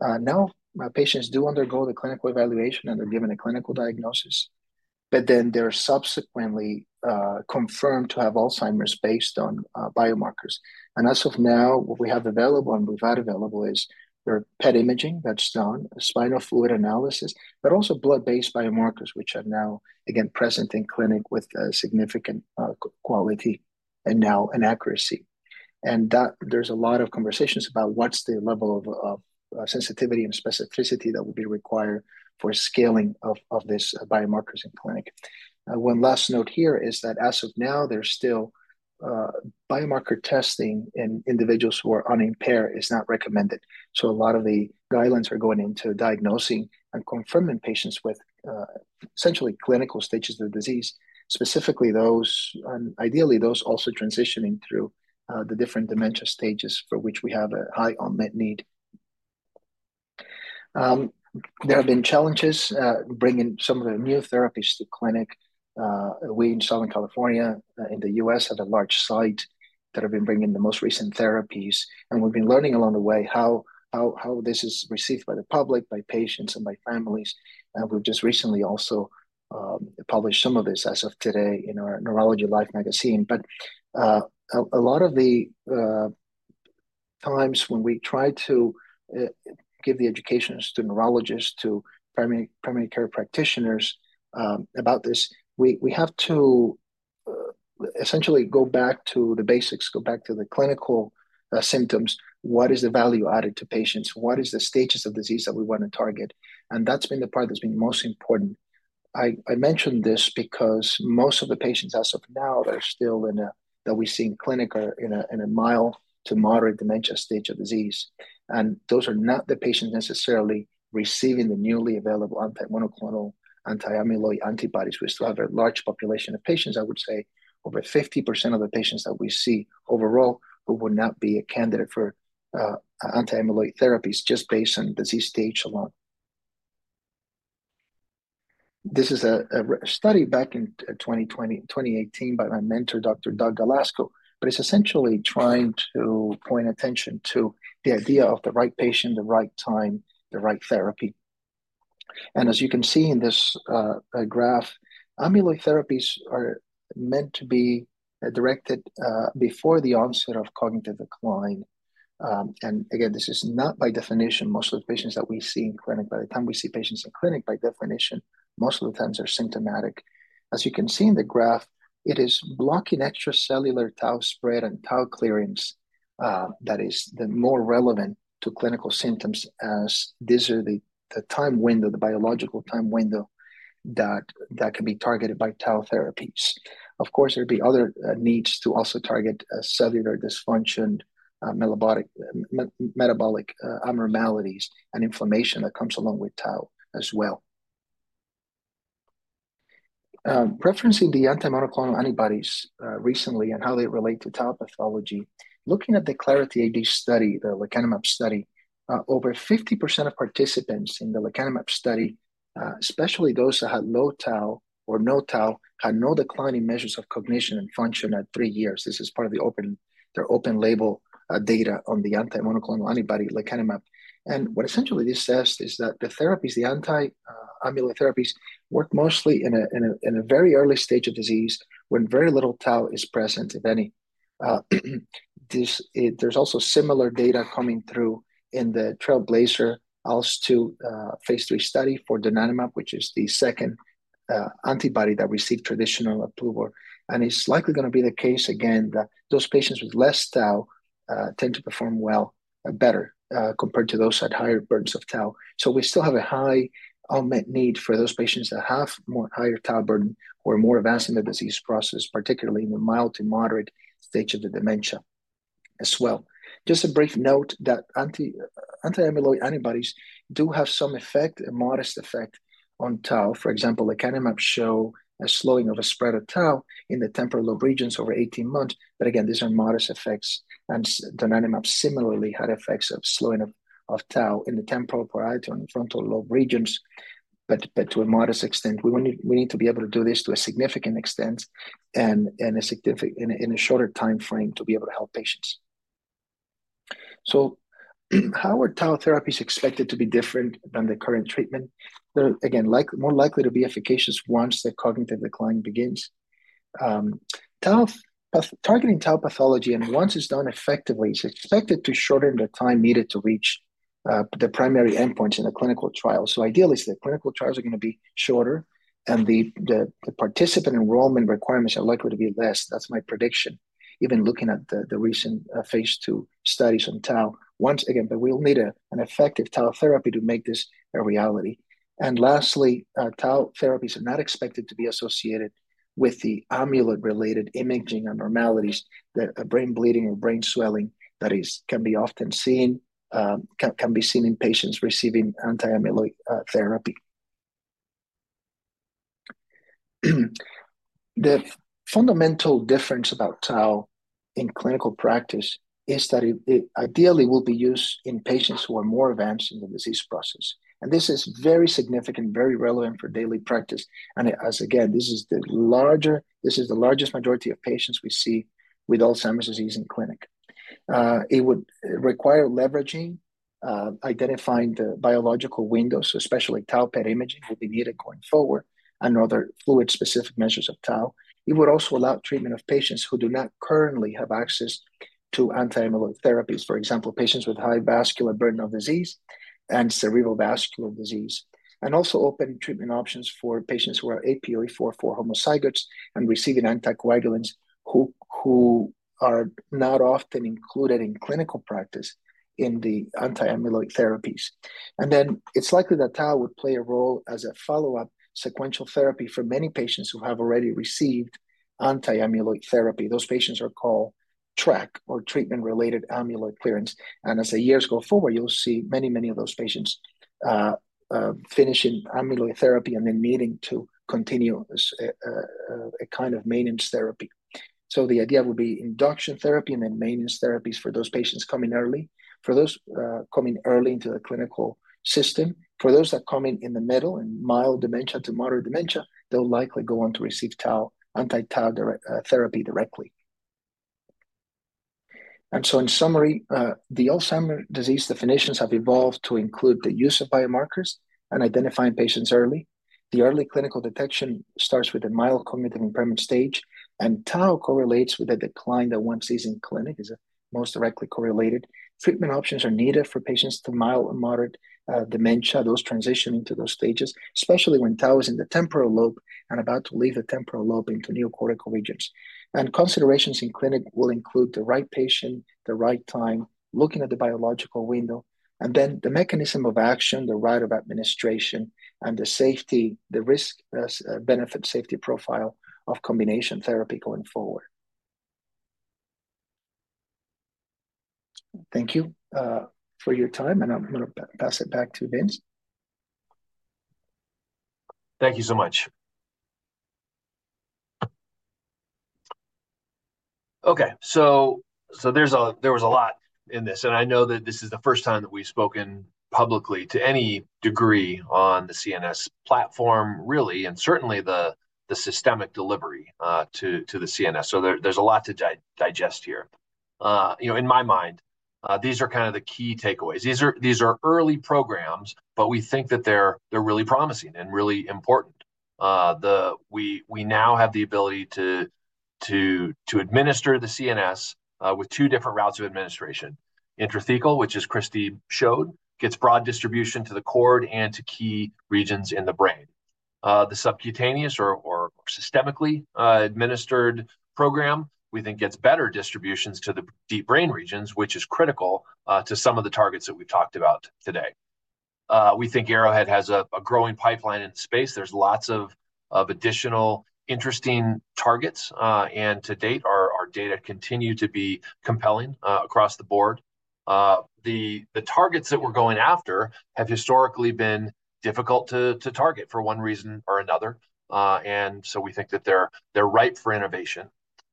Now, my patients do undergo the clinical evaluation, and they're given a clinical diagnosis, but then they're subsequently confirmed to have Alzheimer's based on biomarkers. And as of now, what we have available and we've had available is there are PET imaging that's done, spinal fluid analysis, but also blood-based biomarkers, which are now, again, present in clinic with significant quality and now in accuracy. And that there's a lot of conversations about what's the level of sensitivity and specificity that would be required for scaling of this biomarkers in clinic. One last note here is that as of now, there's still biomarker testing in individuals who are unimpaired is not recommended. So a lot of the guidelines are going into diagnosing and confirming patients with essentially clinical stages of the disease, specifically those, and ideally those also transitioning through the different dementia stages for which we have a high unmet need. There have been challenges bringing some of the new therapies to clinic. We in Southern California in the U.S. have a large site that have been bringing the most recent therapies, and we've been learning along the way how this is received by the public, by patients, and by families. And we've just recently also published some of this as of today in our NeurologyLive magazine. A lot of the times when we try to give the education to neurologists, to primary care practitioners, about this, we have to essentially go back to the basics, go back to the clinical symptoms. What is the value added to patients? What is the stages of disease that we wanna target? And that's been the part that's been most important. I mention this because most of the patients as of now that we see in clinic are in a mild to moderate dementia stage of disease. And those are not the patients necessarily receiving the newly available anti-monoclonal, anti-amyloid antibodies. We still have a large population of patients, I would say over 50% of the patients that we see overall, who would not be a candidate for anti-amyloid therapies just based on disease stage alone. This is a study back in 2018 by my mentor, Dr. Doug Galasko, but it's essentially trying to point attention to the idea of the right patient, the right time, the right therapy. And as you can see in this graph, amyloid therapies are meant to be directed before the onset of cognitive decline. And again, this is not by definition most of the patients that we see in clinic. By the time we see patients in clinic, by definition, most of the times they're symptomatic. As you can see in the graph, it is blocking extracellular tau spread and tau clearings that is the more relevant to clinical symptoms as these are the time window, the biological time window that can be targeted by tau therapies. Of course, there'd be other needs to also target cellular dysfunction, metabolic abnormalities and inflammation that comes along with tau as well. Referencing the monoclonal antibodies recently and how they relate to tau pathology, looking at the Clarity AD study, the lecanemab study over 50% of participants in the lecanemab study especially those that had low tau or no tau had no decline in measures of cognition and function at three years. This is part of their open label data on the anti-monoclonal antibody lecanemab. What essentially this says is that the therapies, the anti-amyloid therapies, work mostly in a very early stage of disease when very little tau is present, if any. There's also similar data coming through in the TRAILBLAZER-ALZ 2 phase III study for donanemab, which is the second antibody that received traditional approval. It's likely gonna be the case again, that those patients with less tau tend to perform well better compared to those at higher burdens of tau. We still have a high unmet need for those patients that have more higher tau burden or more advanced in the disease process, particularly in the mild to moderate stage of the dementia as well. Just a brief note that anti-amyloid antibodies do have some effect, a modest effect on tau. For example, lecanemab show a slowing of a spread of tau in the temporal lobe regions over 18 months. But again, these are modest effects, and donanemab similarly had effects of slowing of tau in the temporal parietal and frontal lobe regions, but to a modest extent. We need to be able to do this to a significant extent in a shorter timeframe to be able to help patients. So how are tau therapies expected to be different than the current treatment? They're again like more likely to be efficacious once the cognitive decline begins. Tau targeting tau pathology, and once it's done effectively, it's expected to shorten the time needed to reach the primary endpoints in the clinical trial. Ideally, the clinical trials are gonna be shorter, and the participant enrollment requirements are likely to be less. That's my prediction, even looking at the recent phase II studies on tau. Once again, but we'll need an effective tau therapy to make this a reality. And lastly, tau therapies are not expected to be associated with the amyloid-related imaging abnormalities, that is, brain bleeding or brain swelling, that can often be seen in patients receiving anti-amyloid therapy. The fundamental difference about tau in clinical practice is that it ideally will be used in patients who are more advanced in the disease process, and this is very significant, very relevant for daily practice. And again, this is the largest majority of patients we see with Alzheimer's disease in clinic. It would require leveraging, identifying the biological window, so especially tau PET imaging will be needed going forward and other fluid-specific measures of tau. It would also allow treatment of patients who do not currently have access to anti-amyloid therapies. For example, patients with high vascular burden of disease and cerebrovascular disease. And also open treatment options for patients who are APOE4 homozygotes and receiving anticoagulants, who are not often included in clinical practice in the anti-amyloid therapies. And then it's likely that tau would play a role as a follow-up sequential therapy for many patients who have already received anti-amyloid therapy. Those patients are called TRAC or treatment-related amyloid clearance. And as the years go forward, you'll see many, many of those patients finishing amyloid therapy and then needing to continue as a kind of maintenance therapy. So the idea would be induction therapy and then maintenance therapies for those patients coming early. For those, coming early into the clinical system, for those that come in in the middle, in mild dementia to moderate dementia, they'll likely go on to receive anti-tau directed therapy directly. And so, in summary, the Alzheimer's disease definitions have evolved to include the use of biomarkers and identifying patients early. The early clinical detection starts with a mild cognitive impairment stage, and tau correlates with a decline that one sees in clinic, is a most directly correlated. Treatment options are needed for patients to mild or moderate, dementia, those transitioning to those stages, especially when tau is in the temporal lobe and about to leave the temporal lobe into neocortical regions. And considerations in clinic will include the right patient, the right time, looking at the biological window, and then the mechanism of action, the route of administration, and the safety, the risk, benefit-safety profile of combination therapy going forward. Thank you, for your time, and I'm gonna pass it back to Vince. Thank you so much. Okay, so there's a lot in this, and I know that this is the first time that we've spoken publicly to any degree on the CNS platform, really, and certainly the systemic delivery to the CNS. So there's a lot to digest here. You know, in my mind, these are kind of the key takeaways. These are early programs, but we think that they're really promising and really important. We now have the ability to administer the CNS with two different routes of administration. Intrathecal, which as Christi showed, gets broad distribution to the cord and to key regions in the brain. The subcutaneous or systemically administered program, we think gets better distributions to the deep brain regions, which is critical to some of the targets that we've talked about today. We think Arrowhead has a growing pipeline in space. There's lots of additional interesting targets, and to date, our data continue to be compelling across the board. The targets that we're going after have historically been difficult to target, for one reason or another. And so we think that they're ripe for innovation.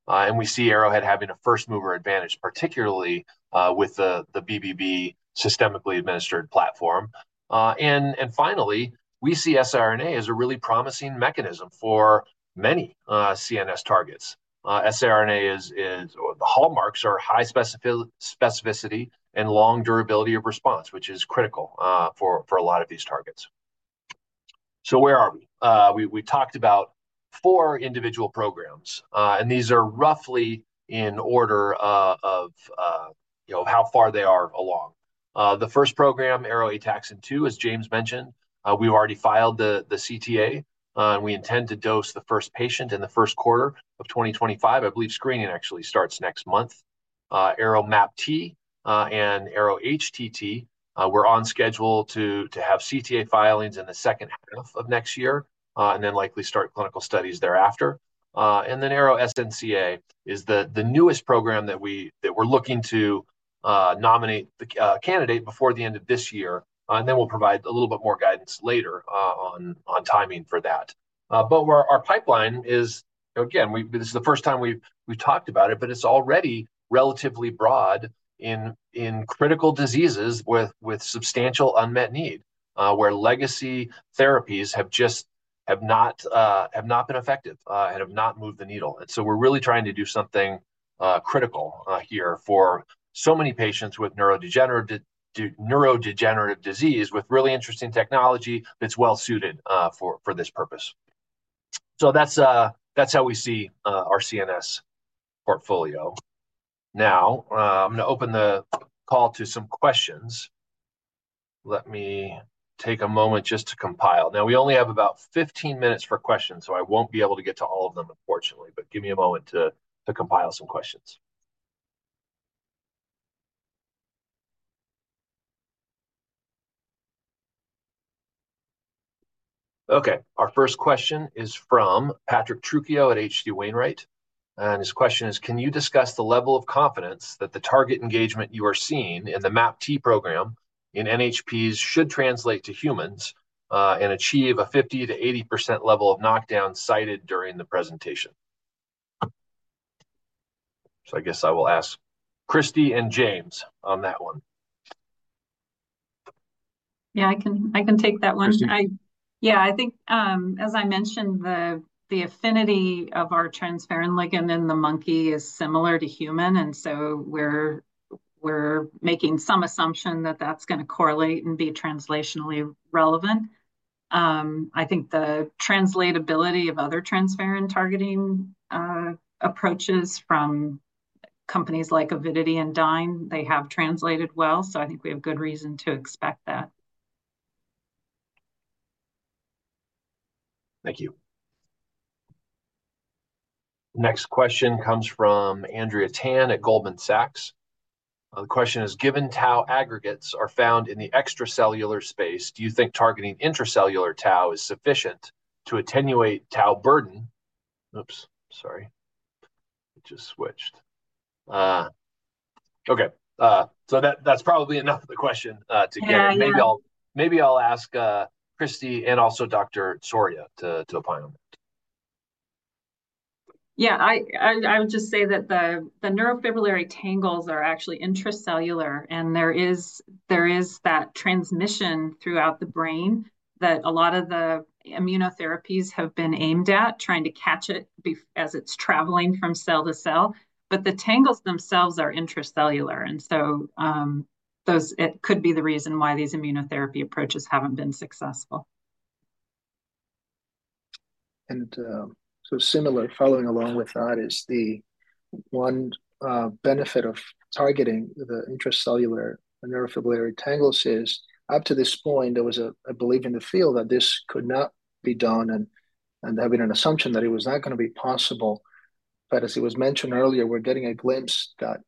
And we see Arrowhead having a first-mover advantage, particularly with the BBB systemically administered platform. And finally, we see siRNA as a really promising mechanism for many CNS targets. siRNA is... The hallmarks are high specificity and long durability of response, which is critical for a lot of these targets. So where are we? We talked about four individual programs, and these are roughly in order, you know, of how far they are along. The first program, ARO-ATXN2, as James mentioned, we've already filed the CTA, and we intend to dose the first patient in the first quarter of 2025. I believe screening actually starts next month. ARO-MAPT and ARO-HTT, we're on schedule to have CTA filings in the second half of next year, and then likely start clinical studies thereafter. And then ARO-SNCA is the newest program that we're looking to nominate the candidate before the end of this year, and then we'll provide a little bit more guidance later on timing for that. But where our pipeline is, again, this is the first time we've talked about it, but it's already relatively broad in critical diseases with substantial unmet need, where legacy therapies have not been effective, and have not moved the needle. And so we're really trying to do something critical here for so many patients with neurodegenerative disease, with really interesting technology that's well suited for this purpose. So that's how we see our CNS portfolio. Now I'm gonna open the call to some questions. Let me take a moment just to compile. Now, we only have about fifteen minutes for questions, so I won't be able to get to all of them, unfortunately, but give me a moment to compile some questions. Okay, our first question is from Patrick Trucchio at H.C. Wainwright, and his question is: "Can you discuss the level of confidence that the target engagement you are seeing in the MAPT program in NHPs should translate to humans, and achieve a 50%-80% level of knockdown cited during the presentation?" So I guess I will ask Christine and James on that one. Yeah, I can, I can take that one. Christine. Yeah, I think, as I mentioned, the affinity of our transferrin ligand in the monkey is similar to human, and so we're making some assumption that that's gonna correlate and be translationally relevant. I think the translatability of other transferrin targeting approaches from companies like Avidity and Dyne, they have translated well, so I think we have good reason to expect that. Thank you. Next question comes from Andrea Tan at Goldman Sachs. The question is: "Given tau aggregates are found in the extracellular space, do you think targeting intracellular tau is sufficient to attenuate tau burden?" Oops, sorry, it just switched. Okay, that's probably enough of the question together. Yeah, yeah. Maybe I'll ask Christine and also Dr. Soria to opine on it. Yeah, I would just say that the neurofibrillary tangles are actually intracellular, and there is that transmission throughout the brain that a lot of the immunotherapies have been aimed at, trying to catch it as it's traveling from cell to cell. But the tangles themselves are intracellular, and so it could be the reason why these immunotherapy approaches haven't been successful. So similar, following along with that, is the one benefit of targeting the intracellular neurofibrillary tangles. Up to this point, there was a belief in the field that this could not be done, and there've been an assumption that it was not gonna be possible. But as it was mentioned earlier, we're getting a glimpse that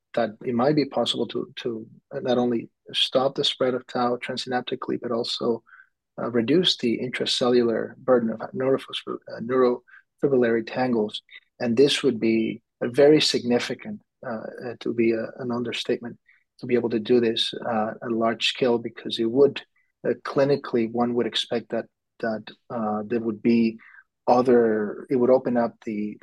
it might be possible to not only stop the spread of tau transsynaptically, but also reduce the intracellular burden of neurofibrillary tangles. And this would be a very significant to be an understatement to be able to do this at large scale, because it would-... Clinically, one would expect that there would be. It would open up the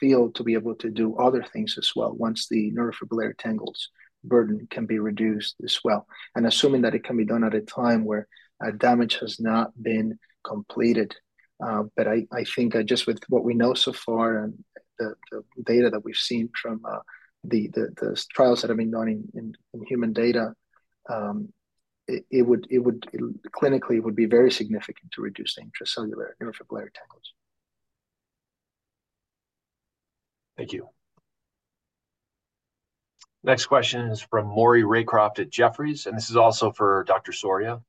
field to be able to do other things as well, once the neurofibrillary tangles burden can be reduced as well, and assuming that it can be done at a time where damage has not been completed, but I think just with what we know so far and the data that we've seen from the trials that have been done in human data, it clinically would be very significant to reduce the intracellular neurofibrillary tangles. Thank you. Next question is from Maury Raycroft at Jefferies, and this is also for Dr. Soria.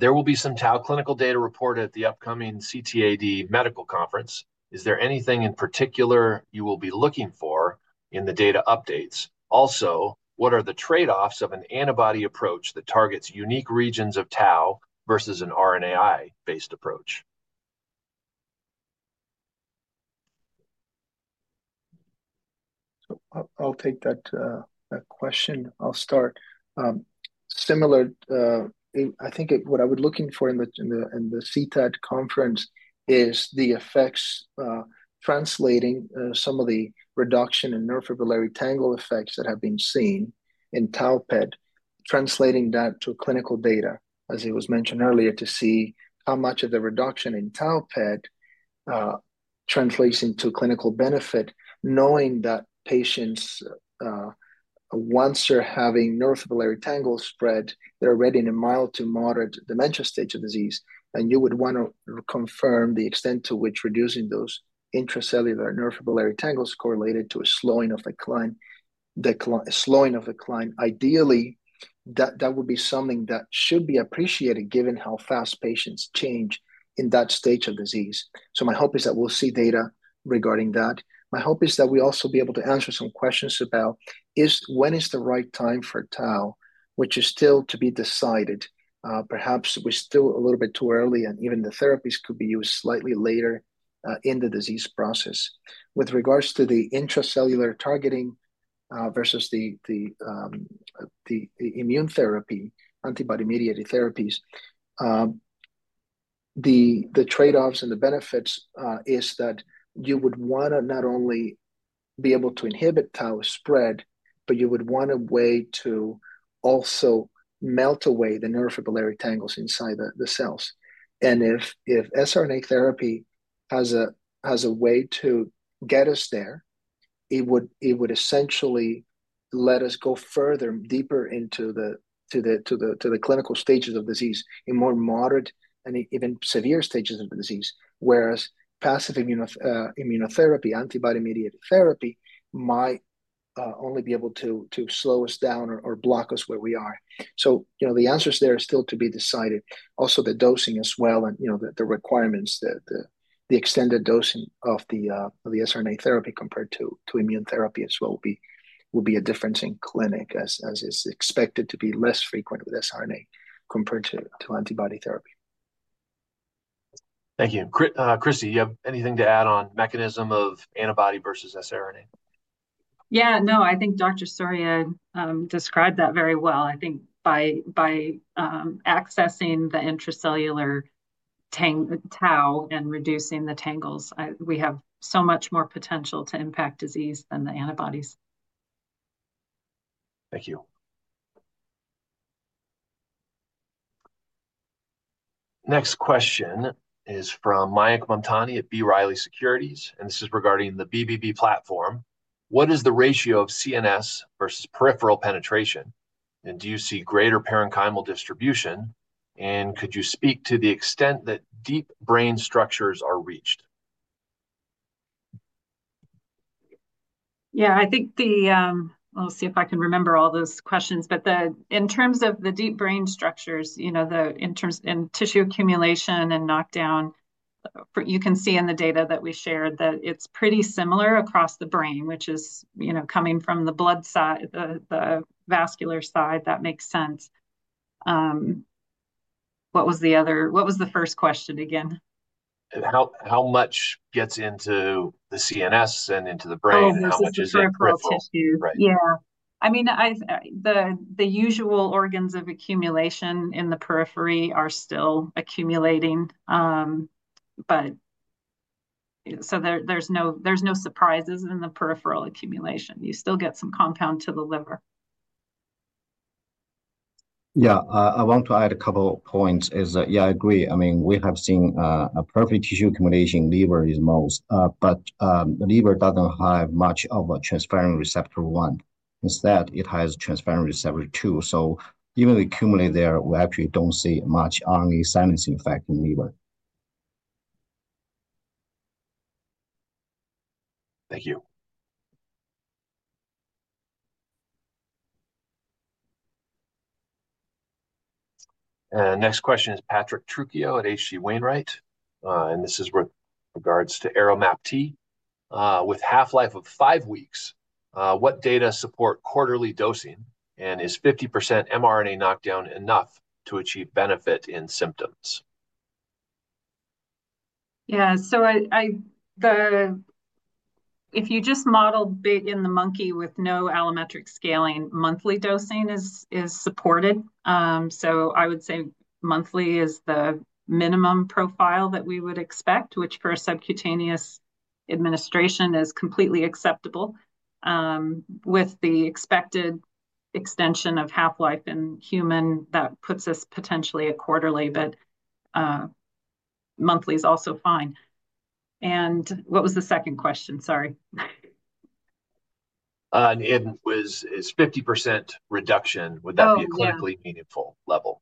"There will be some tau clinical data reported at the upcoming CTAD Medical Conference. Is there anything in particular you will be looking for in the data updates? Also, what are the trade-offs of an antibody approach that targets unique regions of tau versus an RNAi-based approach? I'll take that question. I'll start. What I would be looking for in the CTAD conference is the effects translating some of the reduction in neurofibrillary tangle effects that have been seen in tau PET, translating that to clinical data, as it was mentioned earlier, to see how much of the reduction in tau PET translates into clinical benefit. Knowing that patients once they're having neurofibrillary tangle spread, they're already in a mild to moderate dementia stage of disease, and you would wanna confirm the extent to which reducing those intracellular neurofibrillary tangles correlated to a slowing of decline. Ideally, that would be something that should be appreciated, given how fast patients change in that stage of disease. So my hope is that we'll see data regarding that. My hope is that we'll also be able to answer some questions about when is the right time for tau, which is still to be decided. Perhaps we're still a little bit too early, and even the therapies could be used slightly later in the disease process. With regards to the intracellular targeting versus the immune therapy, antibody-mediated therapies, the trade-offs and the benefits is that you would wanna not only be able to inhibit tau spread, but you would want a way to also melt away the neurofibrillary tangles inside the cells. If siRNA therapy has a way to get us there, it would essentially let us go further, deeper into the clinical stages of disease, in more moderate and even severe stages of the disease. Whereas passive immunotherapy, antibody-mediated therapy, might only be able to slow us down or block us where we are. So, you know, the answers there are still to be decided. Also, the dosing as well, and, you know, the extended dosing of the siRNA therapy compared to immune therapy as well will be a difference in clinic, as is expected to be less frequent with siRNA compared to antibody therapy. Thank you. Christi, you have anything to add on mechanism of antibody versus siRNA? Yeah. No, I think Dr. Soria described that very well. I think by accessing the intracellular tau and reducing the tangles, we have so much more potential to impact disease than the antibodies. Thank you. Next question is from Mayank Mamtani at B. Riley Securities, and this is regarding the BBB platform. "What is the ratio of CNS versus peripheral penetration, and do you see greater parenchymal distribution? And could you speak to the extent that deep brain structures are reached? Yeah, I think the, I'll see if I can remember all those questions. But in terms of the deep brain structures, you know, in tissue accumulation and knockdown, you can see in the data that we shared, that it's pretty similar across the brain, which is, you know, coming from the blood side, the vascular side. That makes sense. What was the first question again? How much gets into the CNS and into the brain? Oh, this is the peripheral tissue.... and how much is it peripheral? Right. Yeah. I mean, the usual organs of accumulation in the periphery are still accumulating. But so there, there's no surprises in the peripheral accumulation. You still get some compound to the liver. Yeah, I want to add a couple points, that is, yeah, I agree. I mean, we have seen a peripheral tissue accumulation in liver is most. But the liver doesn't have much of a transferrin receptor one. Instead, it has transferrin receptor 2. So even accumulate there, we actually don't see much RNA silencing effect in liver. Thank you. Next question is Patrick Trucchio at H.C. Wainwright. And this is with regards to ARO-MAPT. "With half-life of five weeks, what data support quarterly dosing? And is 50% mRNA knockdown enough to achieve benefit in symptoms?... Yeah, so I if you just model it in the monkey with no allometric scaling, monthly dosing is supported. So I would say monthly is the minimum profile that we would expect, which for a subcutaneous administration, is completely acceptable. With the expected extension of half-life in human, that puts us potentially a quarterly, but monthly is also fine. And what was the second question? Sorry. and is 50% reduction- Oh, yeah. Would that be a clinically meaningful level?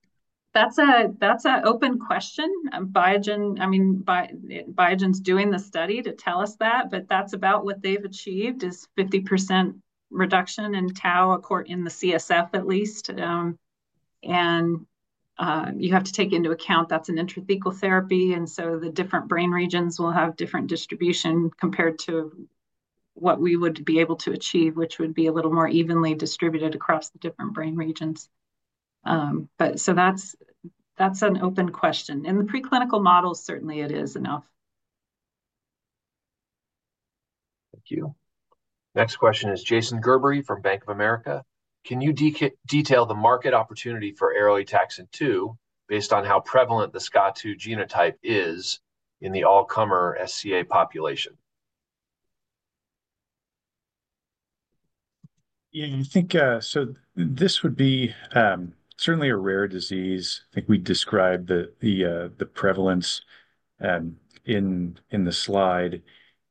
That's an open question. Biogen, I mean, Biogen's doing the study to tell us that, but that's about what they've achieved, is 50% reduction in tau in the CSF at least. You have to take into account that's an intrathecal therapy, and so the different brain regions will have different distribution compared to what we would be able to achieve, which would be a little more evenly distributed across the different brain regions. But that's an open question. In the preclinical models, certainly it is enough. Thank you. Next question is Jason Gerberry from Bank of America: "Can you detail the market opportunity for ARO-ATXN2, based on how prevalent the SCA2 genotype is in the all-comer SCA population? Yeah, I think, so this would be certainly a rare disease. I think we described the prevalence in the slide.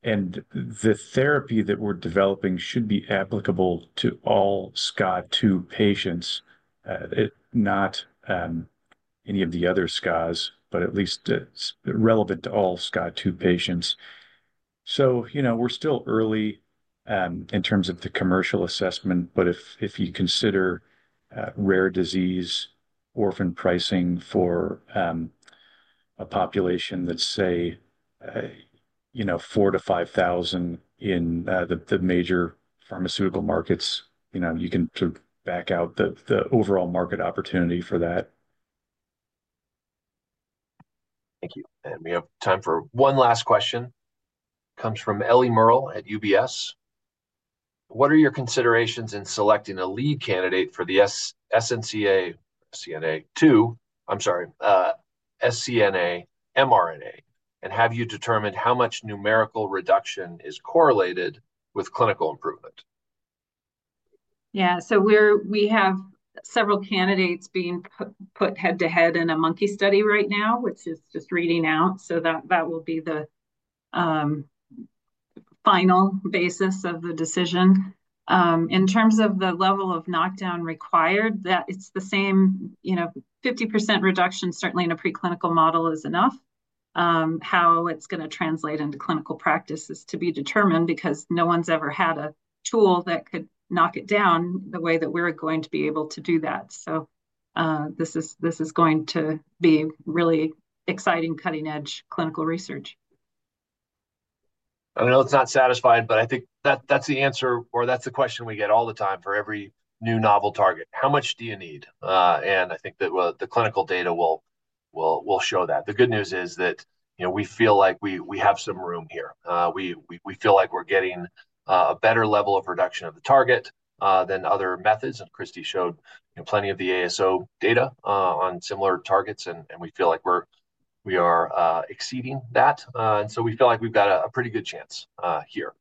And the therapy that we're developing should be applicable to all SCA2 patients, not any of the other SCAs, but at least it's relevant to all SCA2 patients. So, you know, we're still early in terms of the commercial assessment, but if you consider rare disease orphan pricing for a population, let's say, you know, four to five thousand in the major pharmaceutical markets, you know, you can sort of back out the overall market opportunity for that. Thank you. And we have time for one last question. Comes from Ellie Merle at UBS: "What are your considerations in selecting a lead candidate for the ARO-SNCA, SNCA-2, I'm sorry, SNCA mRNA, and have you determined how much numerical reduction is correlated with clinical improvement? Yeah, so we have several candidates being put head-to-head in a monkey study right now, which is just reading out, so that will be the final basis of the decision. In terms of the level of knockdown required, it's the same, you know, 50% reduction, certainly in a preclinical model is enough. How it's gonna translate into clinical practice is to be determined, because no one's ever had a tool that could knock it down the way that we're going to be able to do that, so this is going to be really exciting, cutting-edge clinical research. I know it's not satisfying, but I think that that's the answer or that's the question we get all the time for every new novel target: How much do you need? And I think that, well, the clinical data will show that. The good news is that, you know, we feel like we have some room here. We feel like we're getting a better level of reduction of the target than other methods. And Christi showed, you know, plenty of the ASO data on similar targets, and we feel like we're exceeding that. And so we feel like we've got a pretty good chance here.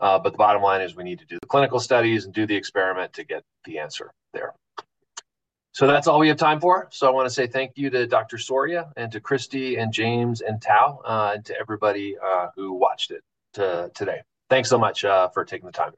But the bottom line is we need to do the clinical studies and do the experiment to get the answer there. So that's all we have time for, so I wanna say thank you to Dr. Soria, and to Christi, and James, and Tao, and to everybody who watched it today. Thanks so much for taking the time.